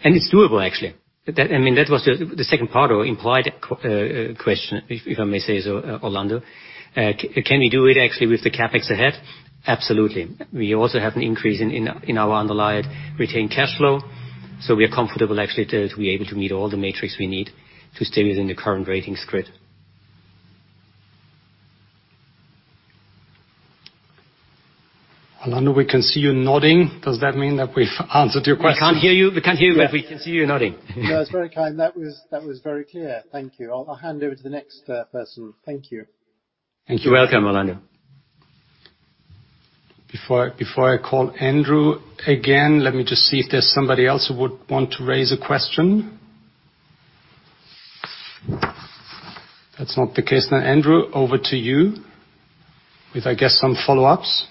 Speaker 3: It's doable actually. I mean, that was the second part or implied question, if I may say so, Orlando. Can we do it actually with the CapEx ahead? Absolutely. We also have an increase in our underlying retained cash flow, so we are comfortable actually to be able to meet all the metrics we need to stay within the current ratings grid.
Speaker 1: Orlando, we can see you nodding. Does that mean that we've answered your question?
Speaker 3: We can't hear you. We can't hear you, but we can see you nodding.
Speaker 5: No, it's very kind. That was very clear. Thank you. I'll hand over to the next person. Thank you.
Speaker 3: Thank you. Welcome, Orlando.
Speaker 1: Before I call Andrew, again, let me just see if there's somebody else who would want to raise a question. If that's not the case, Andrew, over to you, with I guess, some follow-ups.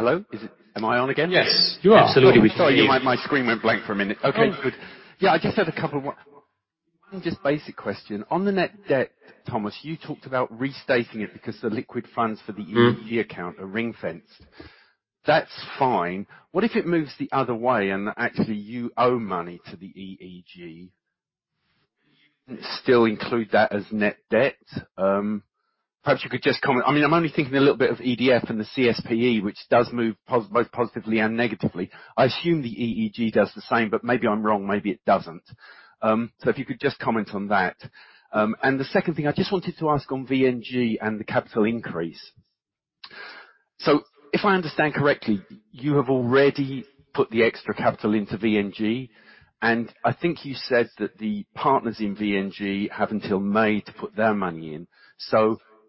Speaker 4: Hello? Am I on again?
Speaker 1: Yes. You are.
Speaker 2: Absolutely, we can hear you.
Speaker 4: Sorry, my screen went blank for a minute. Okay, good. Yeah, I just have a couple more. One just basic question. On the net debt, Thomas, you talked about restating it because the liquid funds for the EEG account are ring-fenced. That's fine. What if it moves the other way and actually you owe money to the EEG, and still include that as net debt? Perhaps you could just comment. I mean, I'm only thinking a little bit of EDF and the CSPE, which does move both positively and negatively. I assume the EEG does the same, but maybe I'm wrong, maybe it doesn't. If you could just comment on that. The second thing, I just wanted to ask on VNG and the capital increase. If I understand correctly, you have already put the extra capital into VNG, and I think you said that the partners in VNG have until May to put their money in.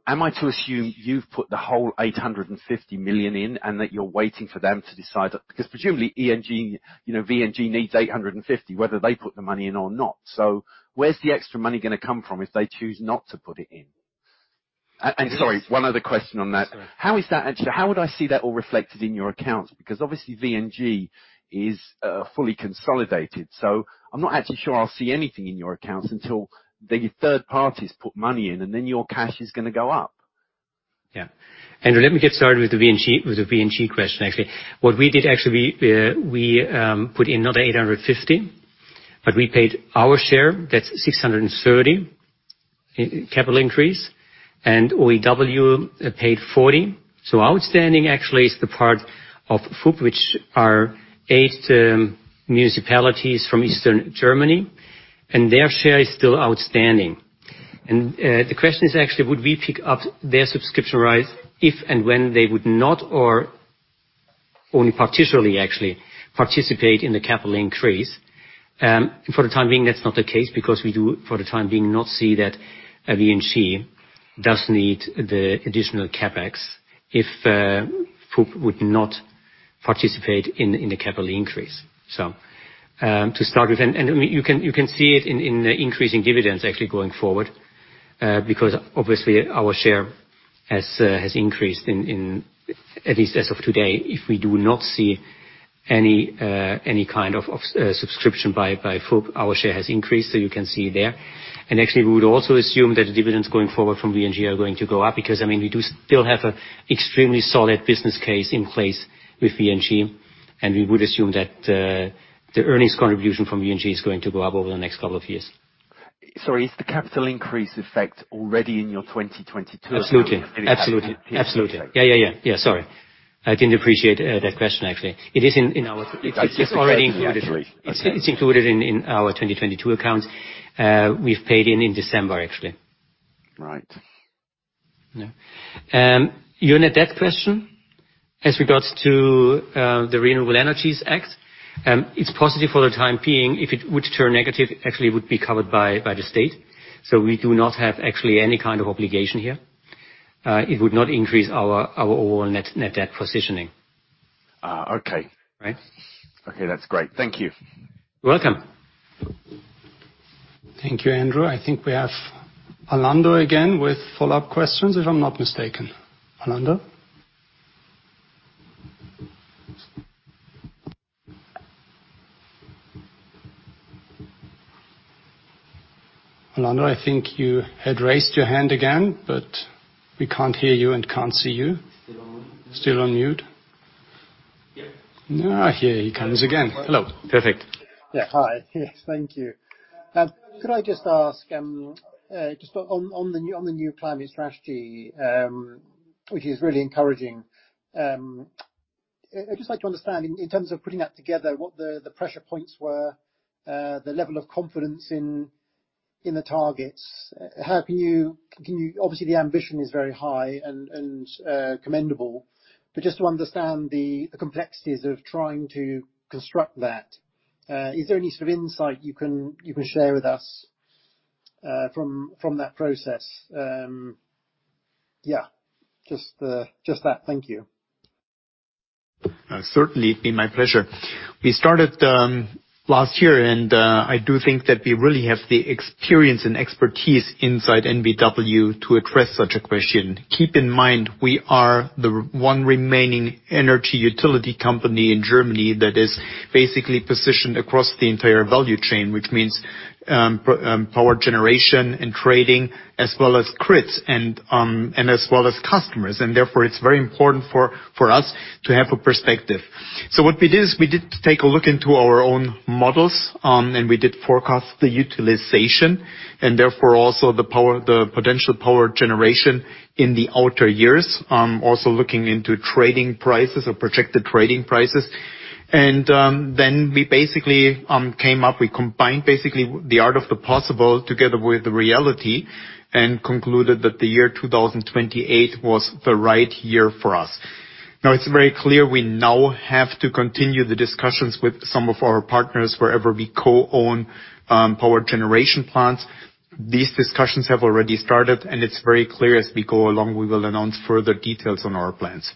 Speaker 4: Am I to assume you've put the whole 850 million in, and that you're waiting for them to decide? Because presumably, VNG, you know, VNG needs 850, whether they put the money in or not. Where's the extra money gonna come from if they choose not to put it in? And sorry, one other question on that.
Speaker 3: Sure.
Speaker 4: How would I see that all reflected in your accounts? Obviously VNG is fully consolidated, so I'm not actually sure I'll see anything in your accounts until the third parties put money in, and then your cash is gonna go up.
Speaker 3: Andrew, let me get started with the VNG question actually. What we did actually, we put in another 850, but we paid our share, that's 630 in capital increase, and OEW paid 40. Outstanding actually is the part of VuB, which are eight municipalities from Eastern Germany, and their share is still outstanding. The question is actually would we pick up their subscription rights if and when they would not or only partially actually participate in the capital increase? For the time being, that's not the case because we do, for the time being not see that VNG does need the additional CapEx if VuB would not participate in the capital increase. To start with... You can see it in the increasing dividends actually going forward, because obviously our share has increased in at least as of today. If we do not see any kind of subscription by VuB, our share has increased, so you can see there. Actually, we would also assume that the dividends going forward from VNG are going to go up because, I mean, we do still have an extremely solid business case in place with VNG, and we would assume that the earnings contribution from VNG is going to go up over the next couple of years.
Speaker 4: Sorry, is the capital increase effect already in your 2022.
Speaker 3: Absolutely. Absolutely. Absolutely. Yeah, yeah. Yeah, sorry. I didn't appreciate that question, actually. It is in our.
Speaker 4: I just.
Speaker 3: It's already included.
Speaker 4: Okay.
Speaker 3: It's included in our 2022 accounts. We've paid in December, actually.
Speaker 4: Right.
Speaker 3: Yeah. your net debt question as regards to the Renewable Energy Sources Act, it's positive for the time being. If it were to turn negative, actually it would be covered by the state. We do not have actually any kind of obligation here. It would not increase our overall net debt positioning.
Speaker 4: Okay.
Speaker 3: Right?
Speaker 4: Okay, that's great. Thank you.
Speaker 3: Welcome.
Speaker 1: Thank you, Andrew. I think we have Orlando again with follow-up questions, if I'm not mistaken. Orlando? Orlando, I think you had raised your hand again, we can't hear you and can't see you. Still on mute.
Speaker 5: Yep.
Speaker 1: Here he comes again. Hello. Perfect.
Speaker 5: Yeah. Hi. Yes, thank you. Could I just ask just on the new climate strategy, which is really encouraging. I'd just like to understand in terms of putting that together, what the pressure points were, the level of confidence in the targets. Obviously, the ambition is very high and commendable, but just to understand the complexities of trying to construct that, is there any sort of insight you can share with us from that process? Yeah, just that. Thank you.
Speaker 2: Certainly. It'd be my pleasure. We started last year, and I do think that we really have the experience and expertise inside EnBW to address such a question. Keep in mind, we are the one remaining energy utility company in Germany that is basically positioned across the entire value chain, which means power generation and trading as well as grids and as well as customers. Therefore, it's very important for us to have a perspective. What we did is we did take a look into our own models, and we did forecast the utilization, and therefore, also the potential power generation in the outer years, also looking into trading prices or projected trading prices. Then we basically came up. We combined basically the art of the possible together with the reality and concluded that the year 2028 was the right year for us. It's very clear we now have to continue the discussions with some of our partners wherever we co-own, power generation plants. These discussions have already started. It's very clear as we go along, we will announce further details on our plans.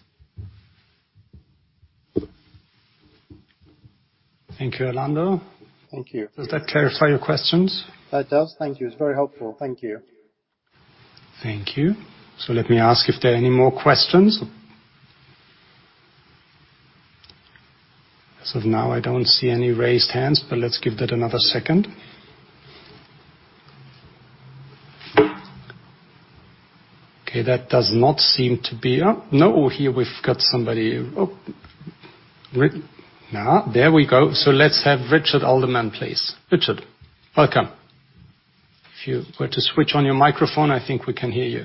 Speaker 1: Thank you, Orlando.
Speaker 5: Thank you.
Speaker 1: Does that clarify your questions?
Speaker 5: That does. Thank you. It's very helpful. Thank you.
Speaker 1: Thank you. Let me ask if there are any more questions. As of now, I don't see any raised hands, but let's give that another second. That does not seem to be. Oh, no. Here we've got somebody. Oh, no, there we go. Let's have Richard Alderman, please. Richard, welcome. If you were to switch on your microphone, I think we can hear you.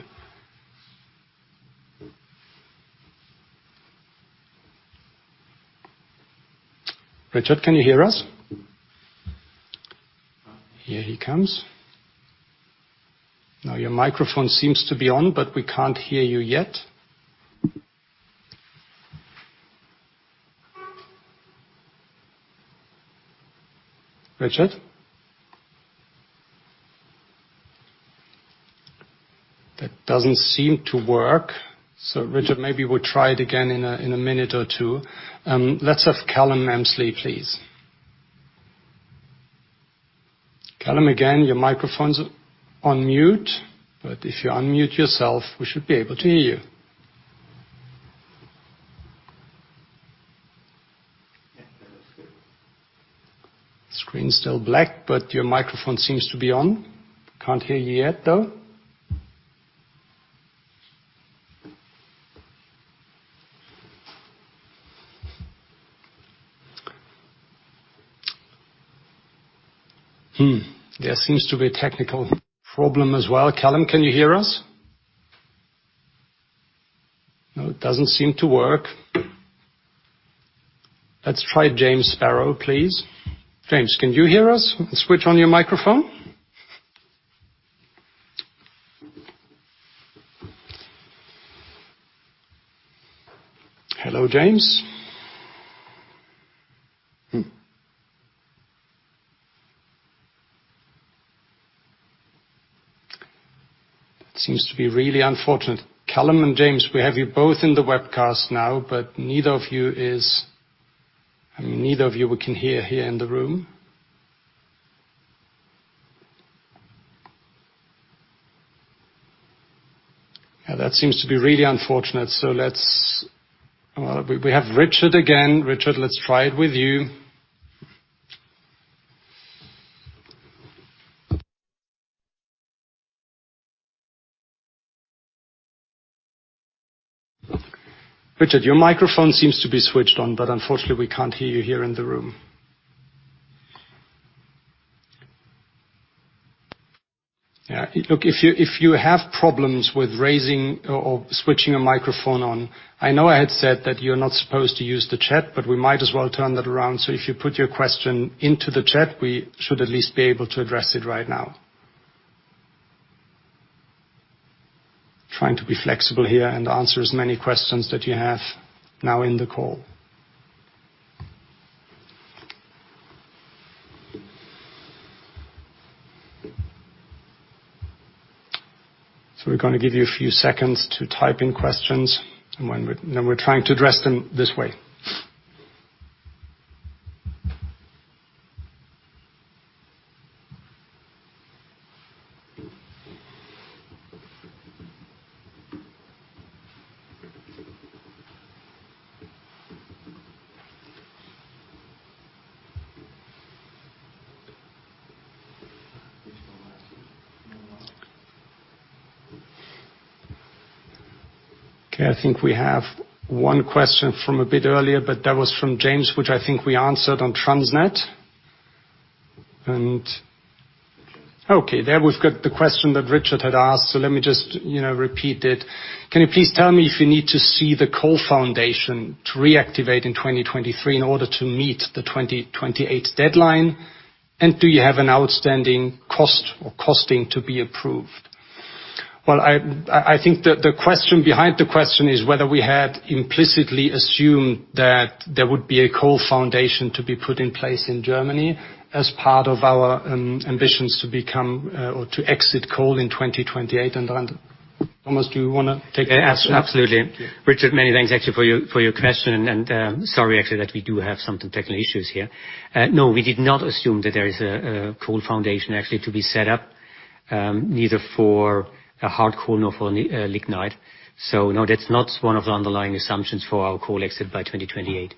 Speaker 1: Richard, can you hear us? Here he comes. Your microphone seems to be on, but we can't hear you yet. Richard? That doesn't seem to work. Richard, maybe we'll try it again in a minute or two. Let's have Callum Hemsley, please. Callum, again, your microphones on mute, but if you unmute yourself, we should be able to hear you.
Speaker 6: Yeah, that's good.
Speaker 1: Screen's still black. Your microphone seems to be on. Can't hear you yet, though. There seems to be a technical problem as well. Callum, can you hear us? It doesn't seem to work. Let's try James Sparrow, please. James, can you hear us? Switch on your microphone. Hello, James? It seems to be really unfortunate. Callum and James, we have you both in the webcast now. I mean, neither of you we can hear here in the room. That seems to be really unfortunate. We have Richard again. Richard, let's try it with you. Richard, your microphone seems to be switched on. Unfortunately, we can't hear you here in the room. Look, if you, if you have problems with raising or switching a microphone on, I know I had said that you're not supposed to use the chat, but we might as well turn that around. If you put your question into the chat, we should at least be able to address it right now. Trying to be flexible here and answer as many questions that you have now in the call. We're gonna give you a few seconds to type in questions, and we're trying to address them this way. Okay. I think we have one question from a bit earlier, but that was from James, which I think we answered on Transnet. Okay, there we've got the question that Richard had asked, let me just, you know, repeat it. Can you please tell me if you need to see the coal reserve to reactivate in 2023 in order to meet the 2028 deadline? Do you have an outstanding cost or costing to be approved? Well, I think the question behind the question is whether we had implicitly assumed that there would be a coal reserve to be put in place in Germany as part of our ambitions to become or to exit coal in 2028. Thomas, do you wanna take that?
Speaker 3: Ab-absolutely.
Speaker 1: Yeah.
Speaker 3: Richard, many thanks actually for your question and, sorry, actually that we do have some technical issues here. No, we did not assume that there is a coal reserve actually to be set up, neither for a hard coal nor for lignite. No, that's not one of the underlying assumptions for our coal exit by 2028.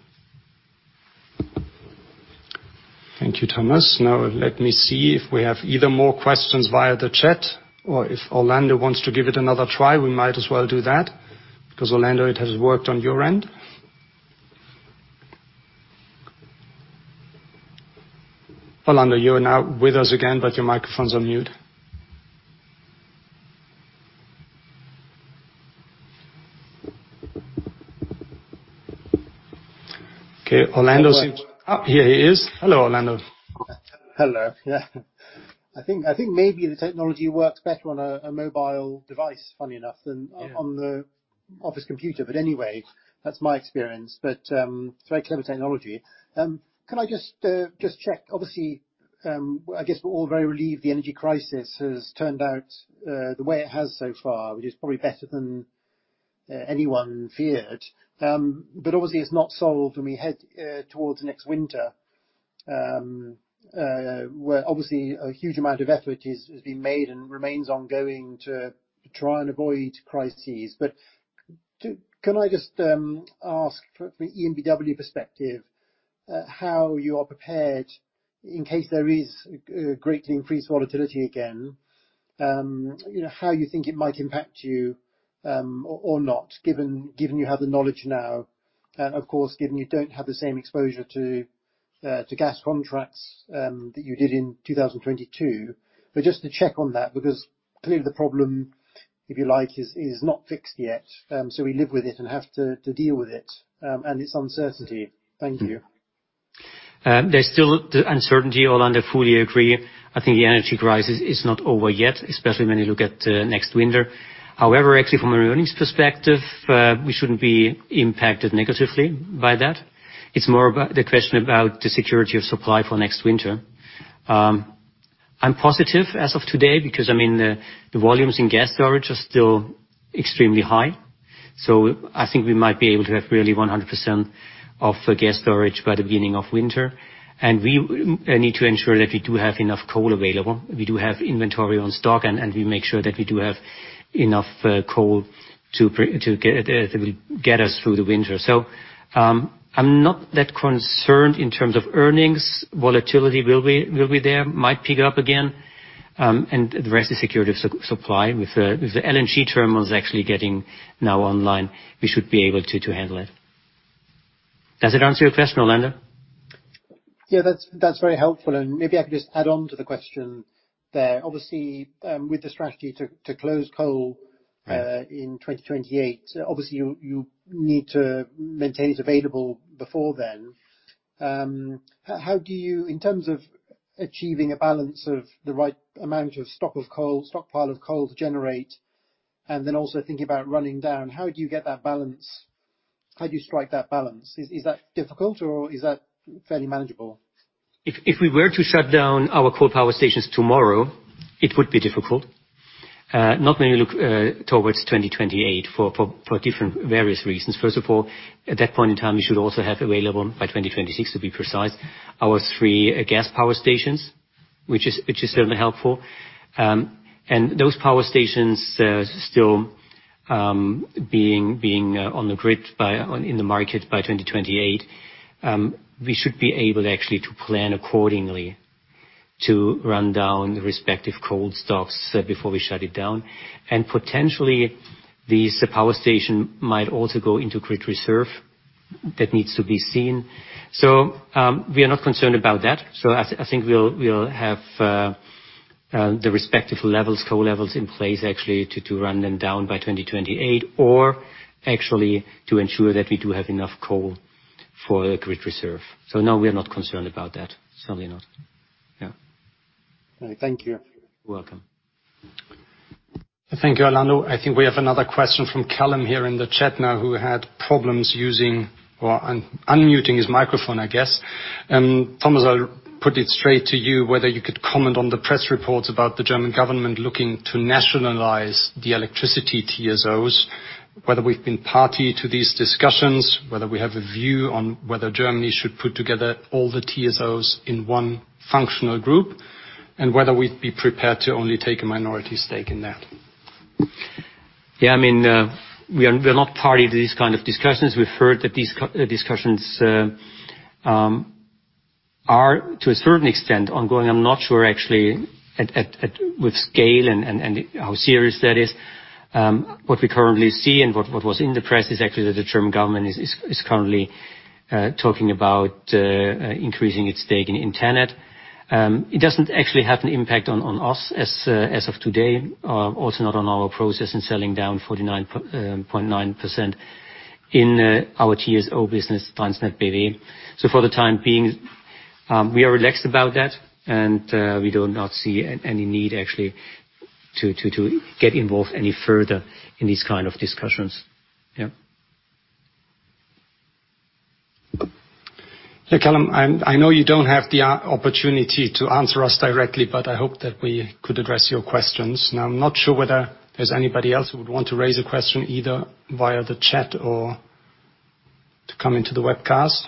Speaker 1: Thank you, Thomas. Let me see if we have either more questions via the chat, or if Orlando wants to give it another try, we might as well do that, because Orlando, it has worked on your end. Orlando, you are now with us again, but your microphone's on mute. Okay.
Speaker 5: Hello.
Speaker 1: Here he is. Hello, Orlando.
Speaker 5: Hello. Yeah. I think maybe the technology works better on a mobile device, funny enough.
Speaker 1: Yeah
Speaker 5: On the office computer. Anyway, that's my experience. It's very clever technology. Can I just check, obviously, I guess we're all very relieved the energy crisis has turned out, the way it has so far, which is probably better than, anyone feared. Obviously it's not solved when we head towards next winter, where obviously a huge amount of effort has been made and remains ongoing to try and avoid crises. Do. Can I just ask from an EnBW perspective, how you are prepared in case there is greatly increased volatility again, you know, how you think it might impact you, or not, given you have the knowledge now, and of course, given you don't have the same exposure to gas contracts that you did in 2022. Just to check on that, because clearly the problem, if you like, is not fixed yet. We live with it and have to deal with it and its uncertainty. Thank you.
Speaker 3: There's still the uncertainty, Orlando, fully agree. I think the energy crisis is not over yet, especially when you look at next winter. However, actually from a earnings perspective, we shouldn't be impacted negatively by that. It's more about the question about the security of supply for next winter. I'm positive as of today because, I mean, the volumes in gas storage are still extremely high, so I think we might be able to have really 100% of gas storage by the beginning of winter. We need to ensure that we do have enough coal available. We do have inventory on stock, and we make sure that we do have enough coal to get that will get us through the winter. I'm not that concerned in terms of earnings. Volatility will be there, might pick up again. The rest is security of supply. With the LNG terminals actually getting now online, we should be able to handle it. Does it answer your question, Orlando?
Speaker 5: Yeah, that's very helpful. Maybe I could just add on to the question there. Obviously, with the strategy to close coal.
Speaker 3: Right.
Speaker 5: In 2028, obviously you need to maintain it available before then. How do you, in terms of achieving a balance of the right amount of stock of coal, stockpile of coal to generate, and then also thinking about running down, how do you get that balance? How do you strike that balance? Is that difficult, or is that fairly manageable?
Speaker 3: If we were to shut down our coal power stations tomorrow, it would be difficult, not when you look towards 2028, for different various reasons. First of all, at that point in time, we should also have available, by 2026 to be precise, our three gas power stations, which is certainly helpful. Those power stations still being on the grid by, on, in the market by 2028, we should be able actually to plan accordingly to run down respective coal stocks before we shut it down. Potentially, these power station might also go into grid reserve. That needs to be seen. We are not concerned about that. I think we'll have the respective levels, coal levels in place actually to run them down by 2028 or actually to ensure that we do have enough coal for the grid reserve. No, we are not concerned about that. Certainly not. Yeah.
Speaker 5: Thank you.
Speaker 3: You're welcome.
Speaker 1: Thank you, Orlando. I think we have another question from Callum here in the chat now, who had problems using or un-unmuting his microphone, I guess. Thomas, I'll put it straight to you whether you could comment on the press reports about the German government looking to nationalize the electricity TSOs. Whether we've been party to these discussions, whether we have a view on whether Germany should put together all the TSOs in one functional group, and whether we'd be prepared to only take a minority stake in that?
Speaker 3: I mean, we're not party to these kind of discussions. We've heard that these discussions are, to a certain extent, ongoing. I'm not sure actually at with scale and how serious that is. What we currently see and what was in the press is actually that the German government is currently talking about increasing its stake in TenneT. It doesn't actually have an impact on us as of today, also not on our process in selling down 49.9% in our TSO business, TransnetBW. For the time being, we are relaxed about that, and we do not see any need actually to get involved any further in these kind of discussions.
Speaker 1: Callum, I know you don't have the opportunity to answer us directly, but I hope that we could address your questions. I'm not sure whether there's anybody else who would want to raise a question either via the chat or to come into the webcast.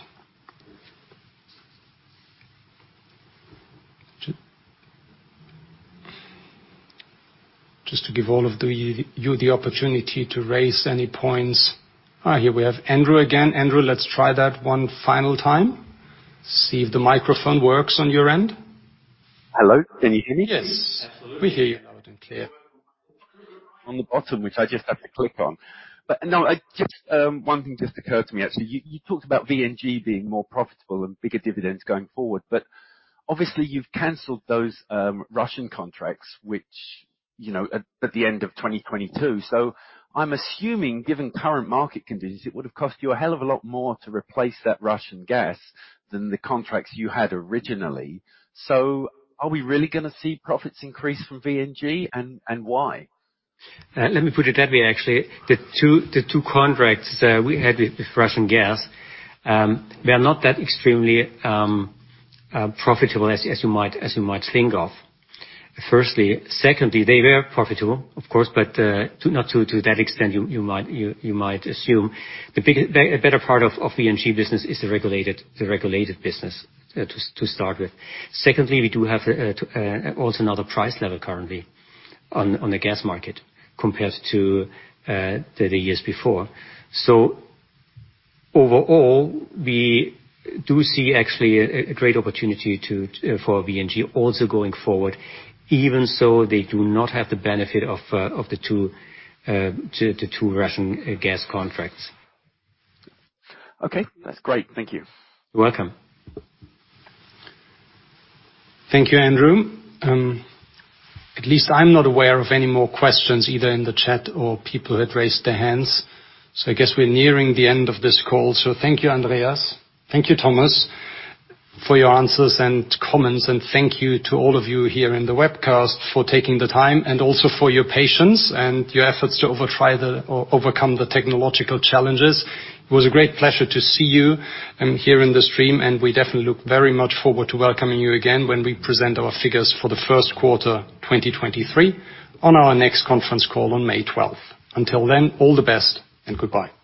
Speaker 1: Just to give you the opportunity to raise any points. Here we have Andrew again. Andrew, let's try that one final time. See if the microphone works on your end.
Speaker 4: Hello. Can you hear me?
Speaker 1: Yes.
Speaker 2: Absolutely.
Speaker 1: We hear you loud and clear.
Speaker 4: On the bottom, which I just have to click on. No, I just, one thing just occurred to me, actually. You, you talked about VNG being more profitable and bigger dividends going forward. Obviously, you've canceled those, Russian contracts, which, you know, at the end of 2022. I'm assuming, given current market conditions, it would have cost you a hell of a lot more to replace that Russian gas than the contracts you had originally. Are we really gonna see profits increase from VNG, and why?
Speaker 3: Let me put it that way, actually. The two contracts we had with Russian gas were not that extremely profitable as you might think of. Firstly. Secondly, they were profitable, of course, but not to that extent you might assume. A better part of VNG business is the regulated business to start with. Secondly, we do have also another price level currently on the gas market compared to the years before. Overall, we do see actually a great opportunity for VNG also going forward, even so they do not have the benefit of the two Russian gas contracts.
Speaker 4: Okay, that's great. Thank you.
Speaker 3: You're welcome.
Speaker 1: Thank you, Andrew. At least I'm not aware of any more questions either in the chat or people who had raised their hands, so I guess we're nearing the end of this call. Thank you, Andreas, thank you, Thomas, for your answers and comments, and thank you to all of you here in the webcast for taking the time and also for your patience and your efforts to or overcome the technological challenges. It was a great pleasure to see you, here in the stream, and we definitely look very much forward to welcoming you again when we present our figures for the first quarter 2023 on our next conference call on May twelfth. Until then, all the best and goodbye.